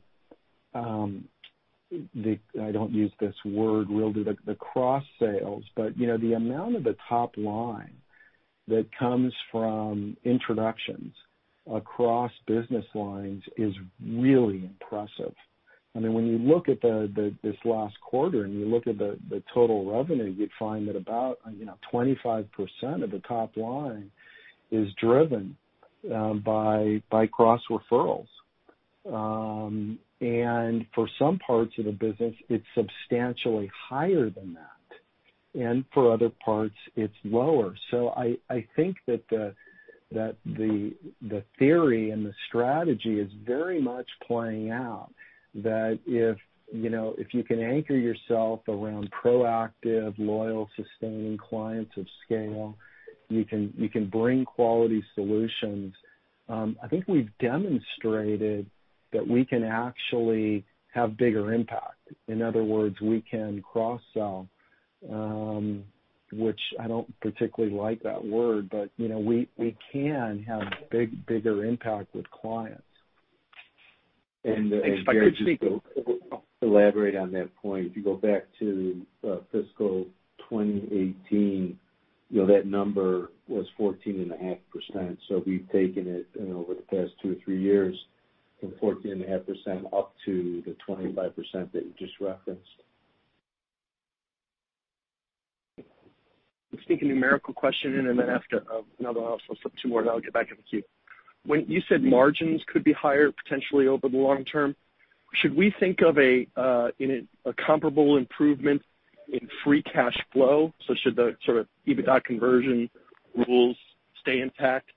I don't use this word, really, but the cross-sales. The amount of the top line that comes from introductions across business lines is really impressive. When you look at this last quarter and you look at the total revenue, you'd find that about 25% of the top line is driven by cross referrals. For some parts of the business, it's substantially higher than that. For other parts, it's lower. I think that the theory and the strategy is very much playing out, that if you can anchor yourself around proactive, loyal, sustaining clients of scale, you can bring quality solutions. I think we've demonstrated that we can actually have bigger impact. In other words, we can cross-sell, which I don't particularly like that word, but we can have bigger impact with clients. If I could just elaborate on that point. If you go back to fiscal 2018, that number was 14.5%. We've taken it over the past two or three years from 14.5% up to the 25% that you just referenced. Let's sneak a numerical question in, after another one also, two more, then I'll get back in the queue. When you said margins could be higher potentially over the long term, should we think of a comparable improvement in free cash flow? Should the sort of EBITDA conversion rules stay intact?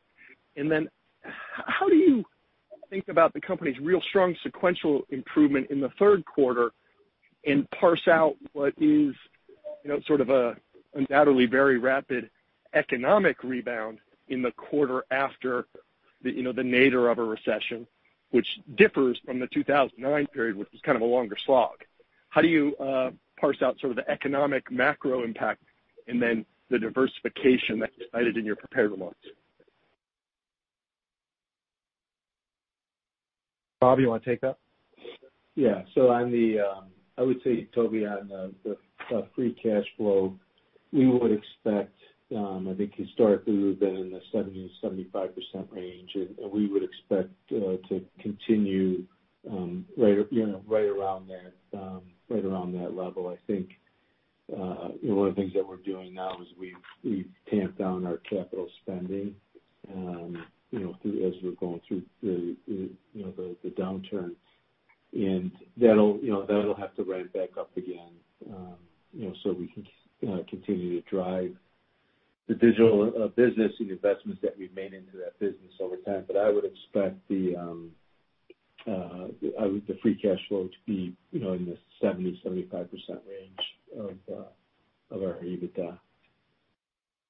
How do you think about the company's real strong sequential improvement in the third quarter and parse out what is sort of undoubtedly very rapid economic rebound in the quarter after the nadir of a recession, which differs from the 2009 period, which was kind of a longer slog. How do you parse out sort of the economic macro impact and then the diversification that you cited in your prepared remarks? Bob, you want to take that? Yeah. I would say, Tobey, on the free cash flow, we would expect, I think historically we've been in the 70%-75% range, we would expect to continue right around that level. I think one of the things that we're doing now is we've tamped down our capital spending as we're going through the downturn. That'll have to ramp back up again so we can continue to drive the Korn Ferry Digital business and investments that we've made into that business over time. I would expect the free cash flow to be in the 70%-75% range of our EBITDA.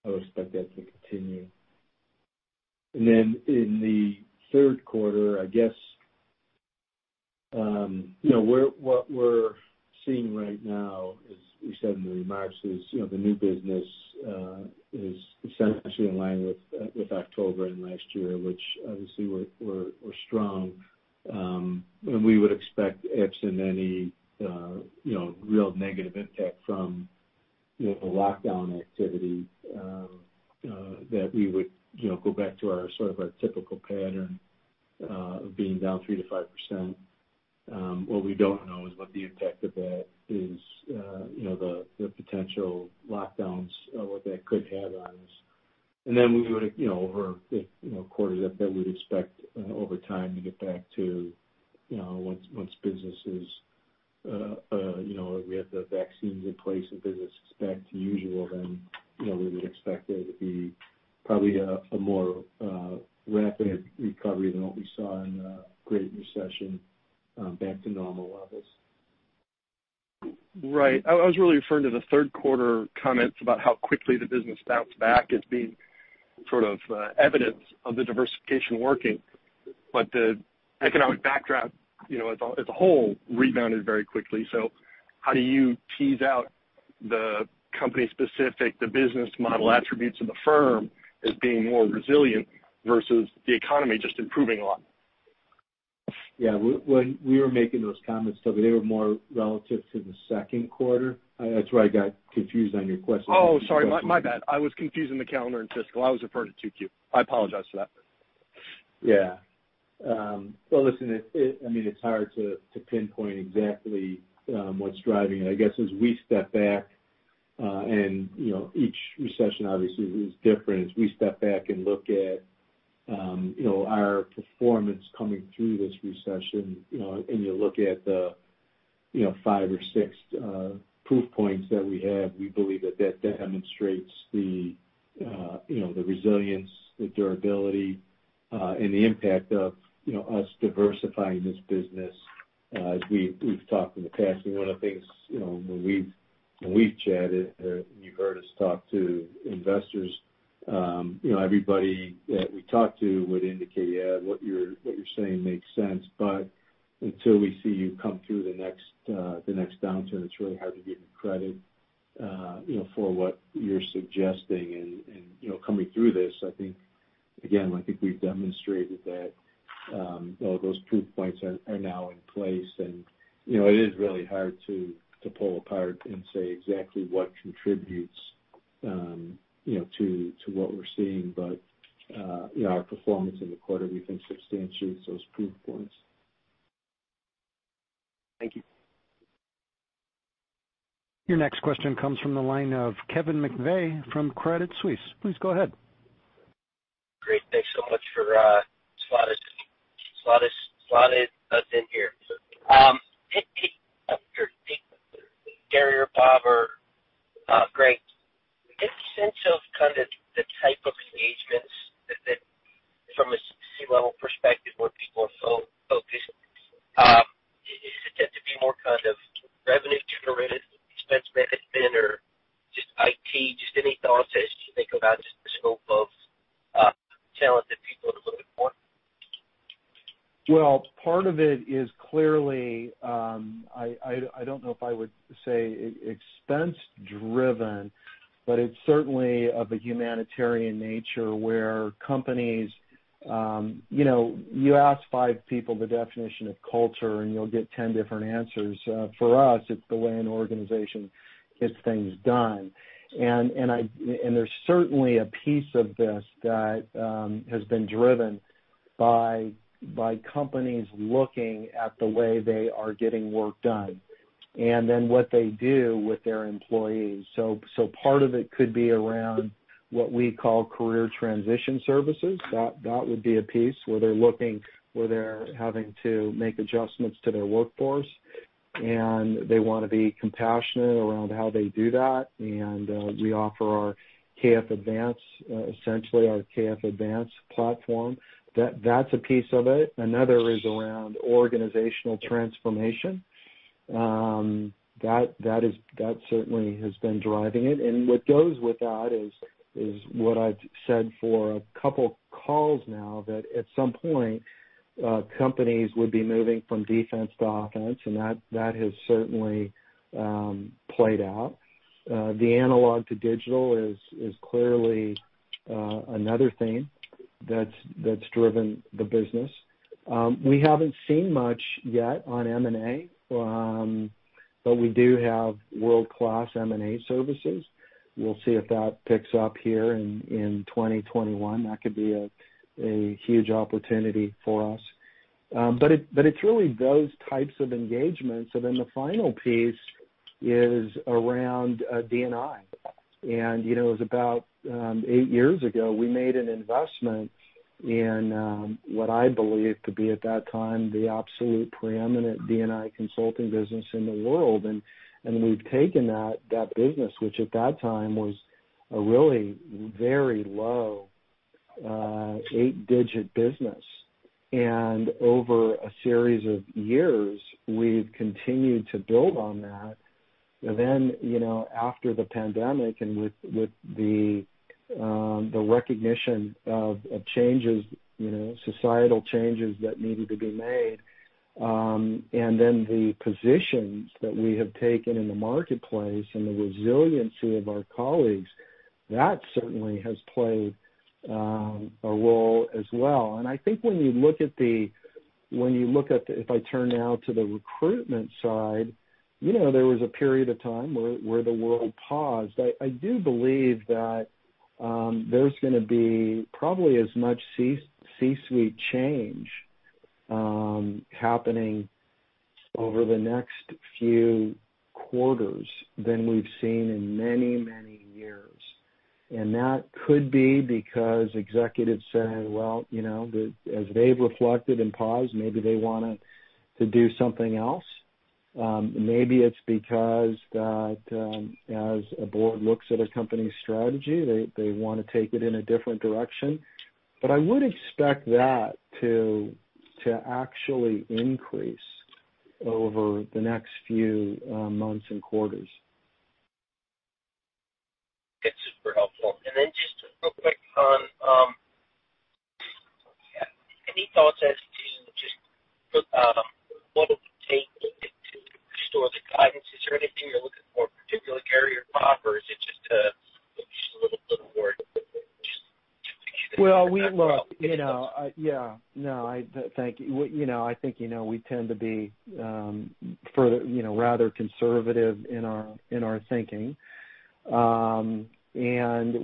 I would expect that to continue. In the third quarter, I guess what we're seeing right now, as we said in the remarks, is the new business is essentially in line with October in last year, which obviously were strong. We would expect absent any real negative impact from the lockdown activity, that we would go back to our sort of typical pattern of being down 3%-5%. What we don't know is what the impact of that is, the potential lockdowns, what that could have on us. Then over quarters up, then we'd expect over time to get back to once we have the vaccines in place and business is back to usual, then we would expect there to be probably a more rapid recovery than what we saw in the Great Recession back to normal levels. Right. I was really referring to the third quarter comments about how quickly the business bounced back as being sort of evidence of the diversification working. The economic backdrop as a whole rebounded very quickly. How do you tease out the company specific, the business model attributes of the firm as being more resilient versus the economy just improving a lot? Yeah. When we were making those comments, Tobey, they were more relative to the second quarter. That's where I got confused on your question. Oh, sorry, my bad. I was confusing the calendar and fiscal. I was referring to 2Q. I apologize for that. Yeah. Well, listen, it's hard to pinpoint exactly what's driving it. I guess as we step back, and each recession obviously is different, as we step back and look at our performance coming through this recession, and you look at the five or six proof points that we have, we believe that that demonstrates the resilience, the durability, and the impact of us diversifying this business. As we've talked in the past, one of the things when we've. When we've chatted, you've heard us talk to investors. Everybody that we talk to would indicate, "Yeah, what you're saying makes sense, but until we see you come through the next downturn, it's really hard to give you credit for what you're suggesting." Coming through this, again, I think we've demonstrated that all those proof points are now in place. It is really hard to pull apart and say exactly what contributes to what we're seeing. Our performance in the quarter, we think substantiates those proof points. Thank you. Your next question comes from the line of Kevin McVeigh from Credit Suisse. Please go ahead. Great. Thanks so much for slotting us in here. Gary or Bob or Gregg, get a sense of kind of the type of engagements that from a C-level perspective, where people are so focused. Is it tend to be more kind of revenue-generated expense management or just IT? Just any thoughts as you think about just the scope of talent that people are looking for? Well, part of it is clearly, I don't know if I would say expense-driven, but it's certainly of a humanitarian nature where companies-- You ask five people the definition of culture, and you'll get 10 different answers. For us, it's the way an organization gets things done. There's certainly a piece of this that has been driven by companies looking at the way they are getting work done and then what they do with their employees. Part of it could be around what we call career transition services. That would be a piece where they're having to make adjustments to their workforce, and they want to be compassionate around how they do that. We offer our KF Advance, essentially our KF Advance platform. That's a piece of it. Another is around organizational transformation. That certainly has been driving it. What goes with that is what I've said for a couple of calls now, that at some point, companies would be moving from defense to offense, and that has certainly played out. The analog to digital is clearly another theme that's driven the business. We haven't seen much yet on M&A, but we do have world-class M&A services. We'll see if that picks up here in 2021. That could be a huge opportunity for us. It's really those types of engagements. The final piece is around D&I. It was about eight years ago, we made an investment in what I believed to be, at that time, the absolute preeminent D&I consulting business in the world. We've taken that business, which at that time was a really very low 8-digit business. Over a series of years, we've continued to build on that. After the pandemic and with the recognition of societal changes that needed to be made, the positions that we have taken in the marketplace and the resiliency of our colleagues, that certainly has played a role as well. I think when you look at the If I turn now to the recruitment side, there was a period of time where the world paused. I do believe that there's going to be probably as much C-suite change happening over the next few quarters than we've seen in many years. That could be because executives said, well, as they've reflected and paused, maybe they want to do something else. Maybe it's because that as a board looks at a company's strategy, they want to take it in a different direction. I would expect that to actually increase over the next few months and quarters. It's super helpful. Just real quick on any thoughts as to just what it will take to restore the guidance? Is there anything you're looking for particularly, Gary or Bob, or is it just a little bit of work? Well, look. I think we tend to be rather conservative in our thinking.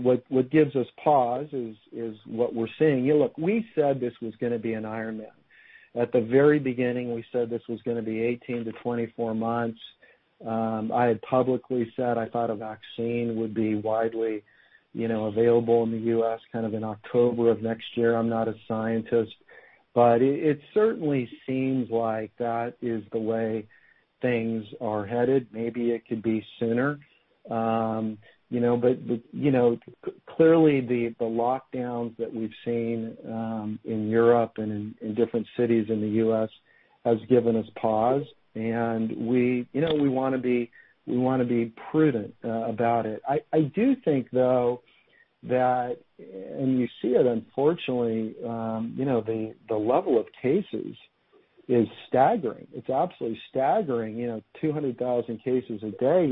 What gives us pause is what we're seeing. Look, we said this was going to be an Ironman. At the very beginning, we said this was going to be 18 to 24 months. I had publicly said I thought a vaccine would be widely available in the U.S. kind of in October of next year. I'm not a scientist. It certainly seems like that is the way things are headed. Maybe it could be sooner. Clearly, the lockdowns that we've seen in Europe and in different cities in the U.S. has given us pause, and we want to be prudent about it. I do think, though, that, and you see it unfortunately, the level of cases is staggering. It's absolutely staggering. 200,000 cases a day.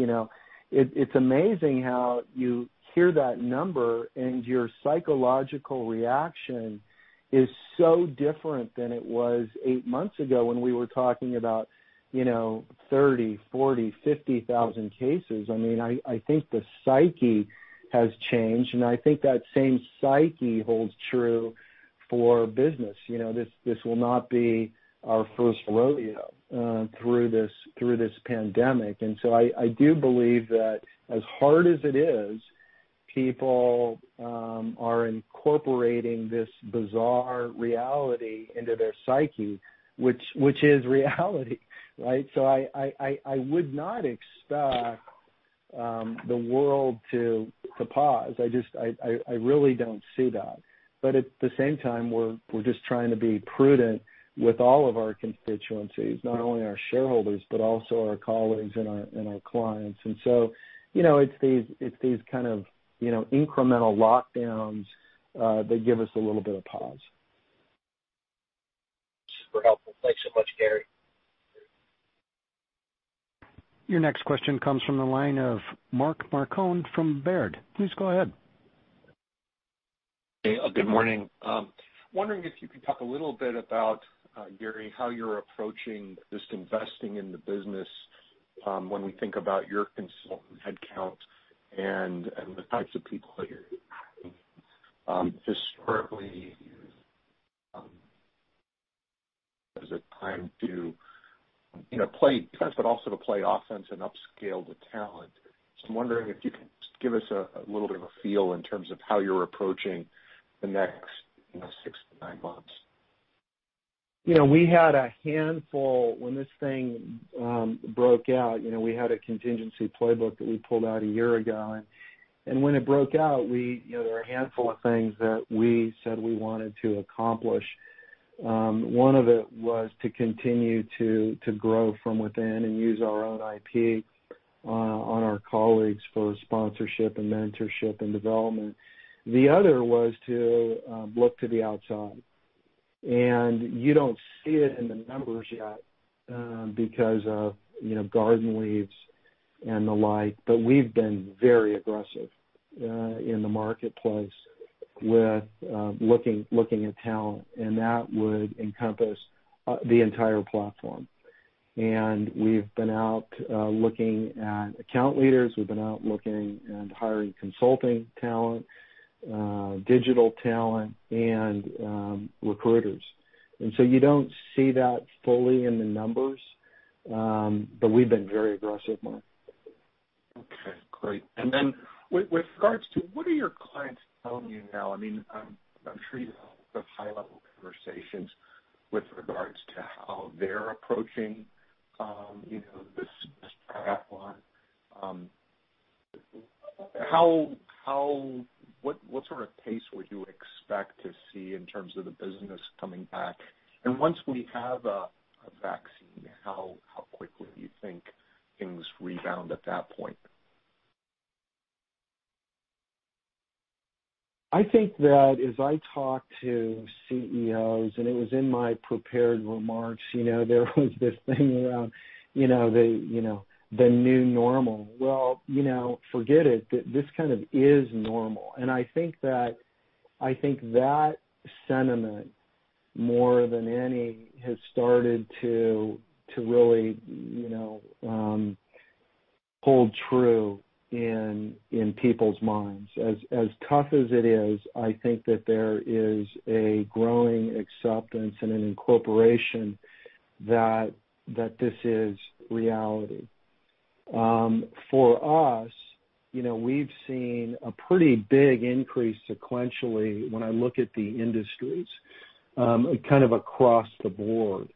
It's amazing how you hear that number, and your psychological reaction is so different than it was 8 months ago when we were talking about 30,000, 40,000, 50,000 cases. I think the psyche has changed, and I think that same psyche holds true for business. This will not be our first rodeo through this pandemic. I do believe that as hard as it is, people are incorporating this bizarre reality into their psyche, which is reality, right? I would not expect the world to pause. I really don't see that. At the same time, we're just trying to be prudent with all of our constituencies, not only our shareholders, but also our colleagues and our clients. It's these kind of incremental lockdowns that give us a little bit of pause. Super helpful. Thanks so much, Gary. Your next question comes from the line of Mark Marcon from Baird. Please go ahead. Hey, good morning. I'm wondering if you could talk a little bit about, Gary, how you're approaching this investing in the business, when we think about your consultant headcount and the types of people that you're adding. Historically, is it time to play defense, but also to play offense and upscale the talent? I'm wondering if you can just give us a little bit of a feel in terms of how you're approaching the next 6 to 9 months. When this thing broke out, we had a contingency playbook that we pulled out a year ago. When it broke out, there were a handful of things that we said we wanted to accomplish. One of it was to continue to grow from within and use our own IP on our colleagues for sponsorship and mentorship and development. The other was to look to the outside. You don't see it in the numbers yet because of garden leave and the like, but we've been very aggressive in the marketplace with looking at talent, and that would encompass the entire platform. We've been out looking at account leaders, we've been out looking and hiring consulting talent, digital talent, and recruiters. You don't see that fully in the numbers, but we've been very aggressive, Mark. Okay, great. With regards to what are your clients telling you now? I'm sure you have high-level conversations with regards to how they're approaching this path on. What sort of pace would you expect to see in terms of the business coming back? Once we have a vaccine, how quickly do you think things rebound at that point? I think that as I talk to CEOs, and it was in my prepared remarks, there was this thing around the new normal. Well, forget it. This kind of is normal. I think that sentiment, more than any, has started to really hold true in people's minds. As tough as it is, I think that there is a growing acceptance and an incorporation that this is reality. For us, we've seen a pretty big increase sequentially when I look at the industries, kind of across the board.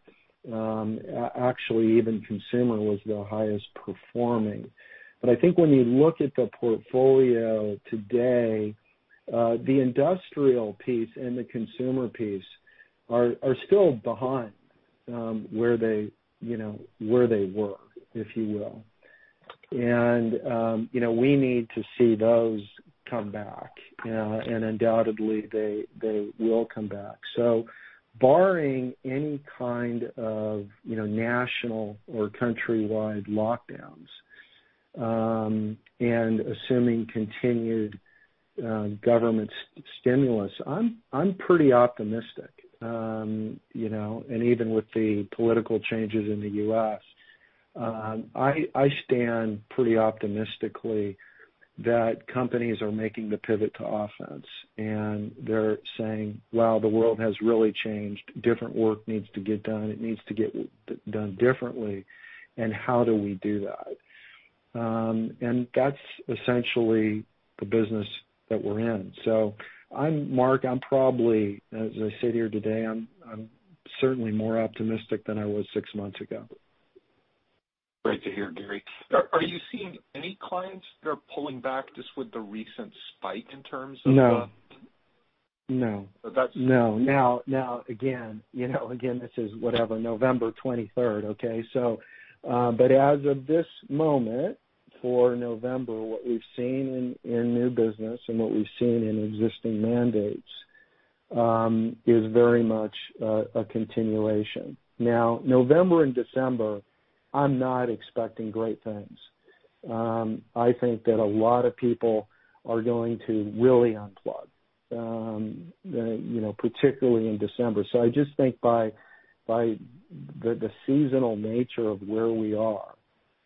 Actually, even consumer was the highest performing. I think when you look at the portfolio today, the industrial piece and the consumer piece are still behind where they were, if you will. We need to see those come back. Undoubtedly, they will come back. Barring any kind of national or countrywide lockdowns, and assuming continued government stimulus, I'm pretty optimistic. Even with the political changes in the U.S., I stand pretty optimistically that companies are making the pivot to offense, and they're saying, "Wow, the world has really changed. Different work needs to get done. It needs to get done differently, and how do we do that?" That's essentially the business that we're in. Mark, I'm probably, as I sit here today, I'm certainly more optimistic than I was six months ago. Great to hear, Gary. Are you seeing any clients that are pulling back just with the recent spike in terms of the- No. Again, this is November 23rd. As of this moment, for November, what we've seen in new business and what we've seen in existing mandates is very much a continuation. November and December, I'm not expecting great things. I think that a lot of people are going to really unplug, particularly in December. I just think by the seasonal nature of where we are,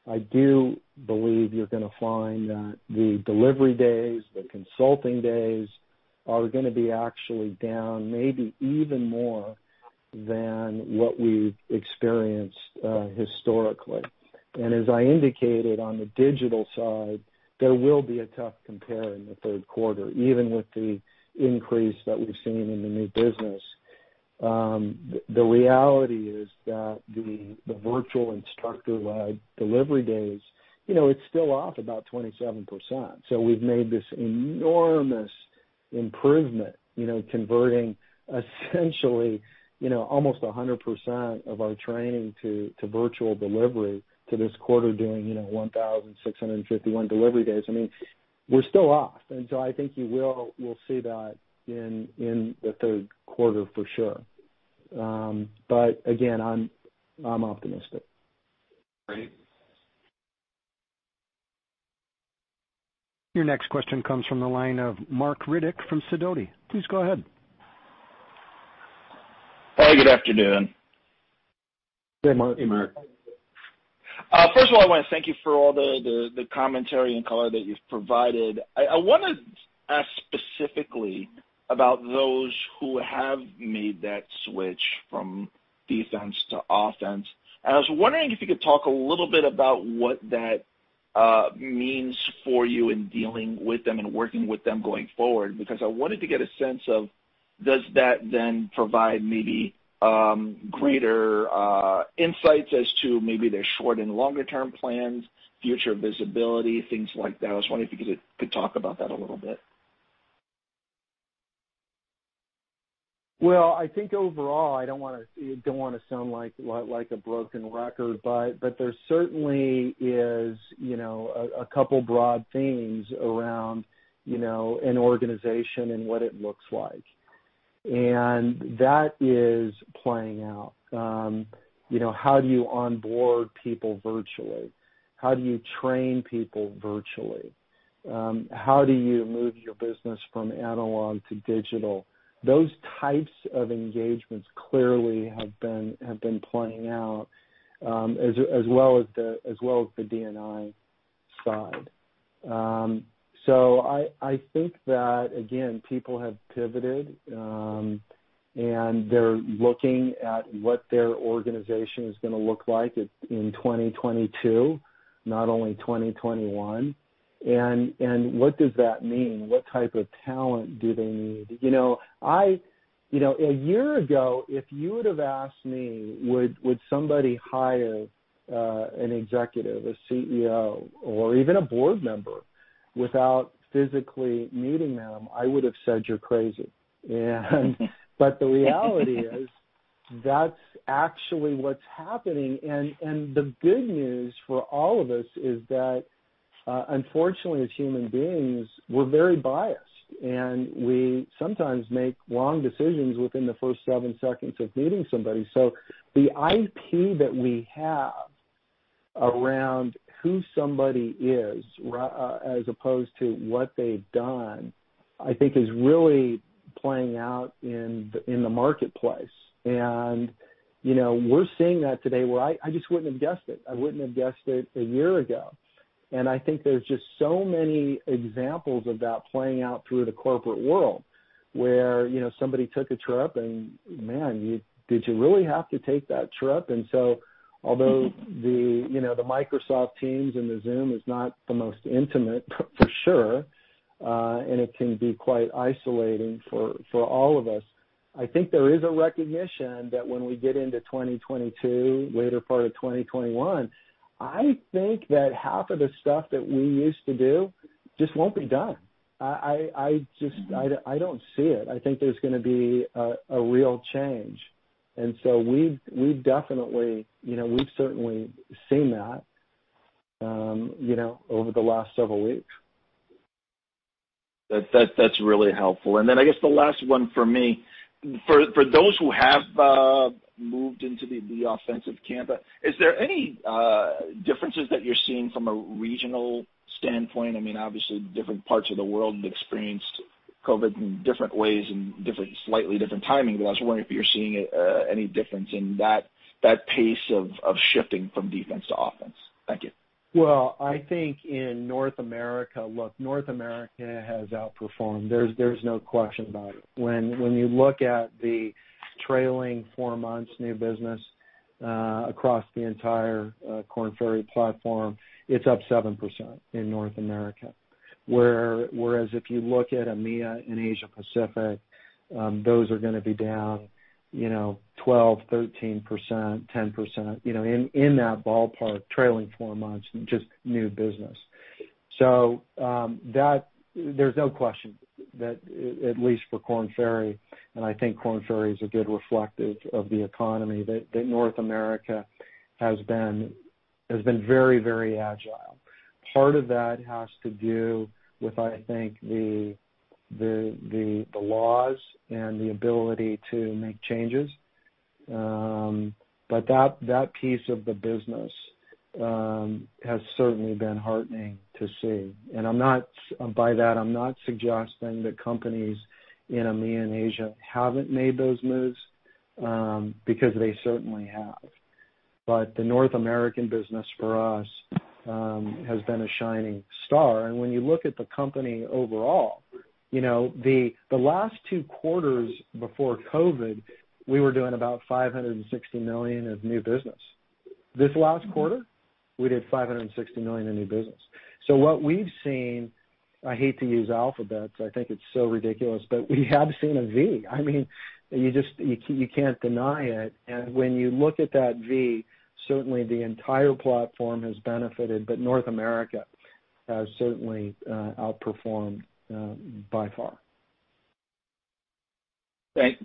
I do believe you're going to find that the delivery days, the consulting days, are going to be actually down maybe even more than what we've experienced historically. As I indicated, on the digital side, there will be a tough compare in the third quarter, even with the increase that we've seen in the new business. The reality is that the virtual instructor-led delivery days, it's still off about 27%. We've made this enormous improvement converting essentially almost 100% of our training to virtual delivery to this quarter doing 1,651 delivery days. We're still off. I think you will see that in the third quarter for sure. Again, I'm optimistic. Great. Your next question comes from the line of Marc Riddick from Sidoti. Please go ahead. Hi, good afternoon. Hey, Mark. Hey, Mark. First of all, I want to thank you for all the commentary and color that you've provided. I want to ask specifically about those who have made that switch from defense to offense. I was wondering if you could talk a little bit about what that means for you in dealing with them and working with them going forward. I wanted to get a sense of does that then provide maybe greater insights as to maybe their short and longer-term plans, future visibility, things like that. I was wondering if you could talk about that a little bit. I think overall, I don't want to sound like a broken record, there certainly is a couple broad themes around an organization and what it looks like. That is playing out. How do you onboard people virtually? How do you train people virtually? How do you move your business from analog to digital? Those types of engagements clearly have been playing out as well as the D&I side. I think that, again, people have pivoted, and they're looking at what their organization is going to look like in 2022, not only 2021. What does that mean? What type of talent do they need? A year ago, if you would've asked me, would somebody hire an executive, a CEO, or even a board member without physically meeting them? I would have said you're crazy. The reality is, that's actually what's happening. The good news for all of us is that, unfortunately, as human beings, we're very biased, and we sometimes make wrong decisions within the first seven seconds of meeting somebody. The IP that we have around who somebody is as opposed to what they've done, I think is really playing out in the marketplace. We're seeing that today where I just wouldn't have guessed it. I wouldn't have guessed it a year ago. I think there's just so many examples of that playing out through the corporate world where somebody took a trip and, man, did you really have to take that trip? Although the Microsoft Teams and the Zoom is not the most intimate, for sure, and it can be quite isolating for all of us. I think there is a recognition that when we get into 2022, later part of 2021, I think that half of the stuff that we used to do just won't be done. I don't see it. I think there's going to be a real change. We've certainly seen that over the last several weeks. That's really helpful. I guess the last one for me. For those who have moved into the offensive camp, is there any differences that you're seeing from a regional standpoint? Obviously different parts of the world have experienced COVID in different ways and slightly different timing, but I was wondering if you're seeing any difference in that pace of shifting from defense to offense. Thank you. Well, I think in North America, look, North America has outperformed. There's no question about it. When you look at the trailing four months new business across the entire Korn Ferry platform, it's up 7% in North America. Whereas if you look at EMEA and Asia Pacific, those are going to be down 12%, 13%, 10%, in that ballpark, trailing four months, just new business. There's no question that at least for Korn Ferry, and I think Korn Ferry is a good reflective of the economy, that North America has been very agile. Part of that has to do with, I think, the laws and the ability to make changes. That piece of the business has certainly been heartening to see. By that, I'm not suggesting that companies in EMEA and Asia haven't made those moves, because they certainly have. The North American business for us has been a shining star. When you look at the company overall, the last two quarters before COVID, we were doing about $560 million of new business. This last quarter, we did $560 million in new business. What we've seen, I hate to use alphabets, I think it's so ridiculous, but we have seen a V. You can't deny it. When you look at that V, certainly the entire platform has benefited, but North America has certainly outperformed by far.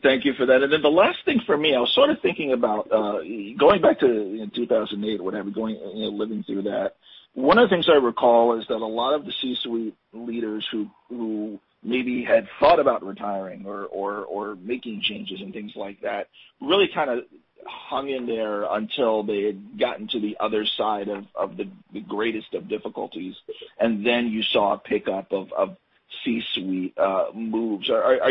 Thank you for that. The last thing for me, I was sort of thinking about going back to 2008 or whatever, living through that. One of the things I recall is that a lot of the C-suite leaders who maybe had thought about retiring or making changes and things like that, really kind of hung in there until they had gotten to the other side of the greatest of difficulties. You saw a pickup of C-suite moves. Going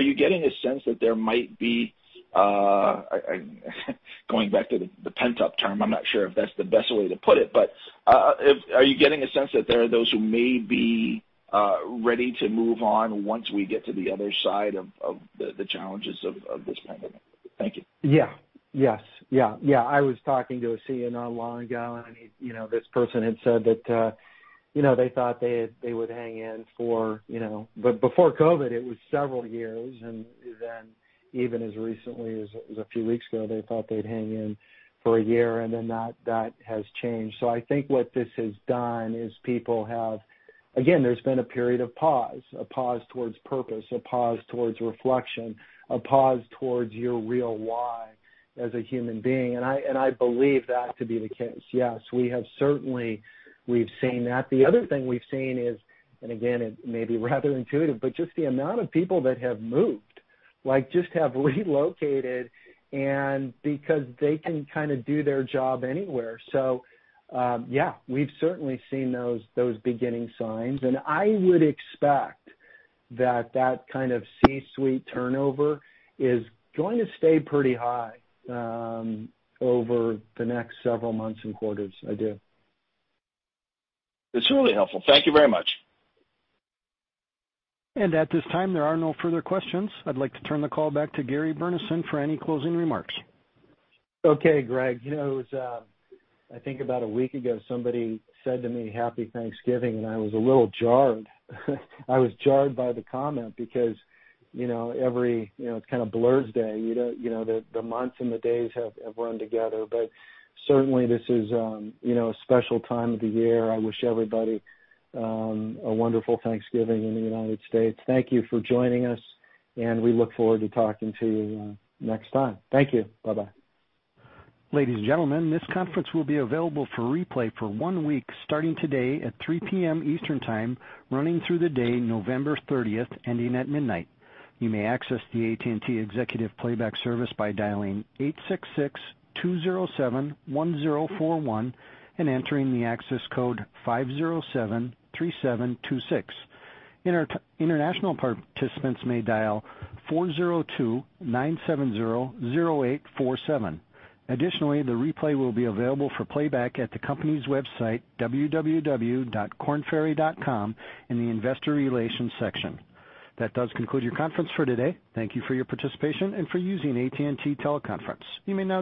back to the pent-up term, I'm not sure if that's the best way to put it, but are you getting a sense that there are those who may be ready to move on once we get to the other side of the challenges of this pandemic? Thank you. Yeah. Yes. I was talking to a CEO long ago, this person had said that they thought they would hang in for before COVID, it was several years, then even as recently as a few weeks ago, they thought they'd hang in for a year, that has changed. I think what this has done is people have, again, there's been a period of pause, a pause towards purpose, a pause towards reflection, a pause towards your real why as a human being, I believe that to be the case. Yes, we have certainly, we've seen that. The other thing we've seen is, again, it may be rather intuitive, just the amount of people that have moved, like just have relocated because they can kind of do their job anywhere. We've certainly seen those beginning signs, and I would expect that that kind of C-suite turnover is going to stay pretty high over the next several months and quarters. I do. It's really helpful. Thank you very much. At this time, there are no further questions. I'd like to turn the call back to Gary Burnison for any closing remarks. Okay, Gregg. It was, I think about a week ago, somebody said to me, "Happy Thanksgiving," and I was a little jarred. I was jarred by the comment because it kind of blurs day. The months and the days have run together. Certainly, this is a special time of the year. I wish everybody a wonderful Thanksgiving in the United States. Thank you for joining us, and we look forward to talking to you next time. Thank you. Bye-bye. Ladies and gentlemen, this conference will be available for replay for one week, starting today at 3:00 P.M. Eastern Time, running through the day, November 30th, ending at midnight. You may access the AT&T Executive Playback Service by dialing 866-207-1041 and entering the access code 5073726. International participants may dial 402-970-0847. Additionally, the replay will be available for playback at the company's website, www.kornferry.com, in the investor relations section. That does conclude your conference for today. Thank you for your participation and for using AT&T Teleconference. You may now disconnect.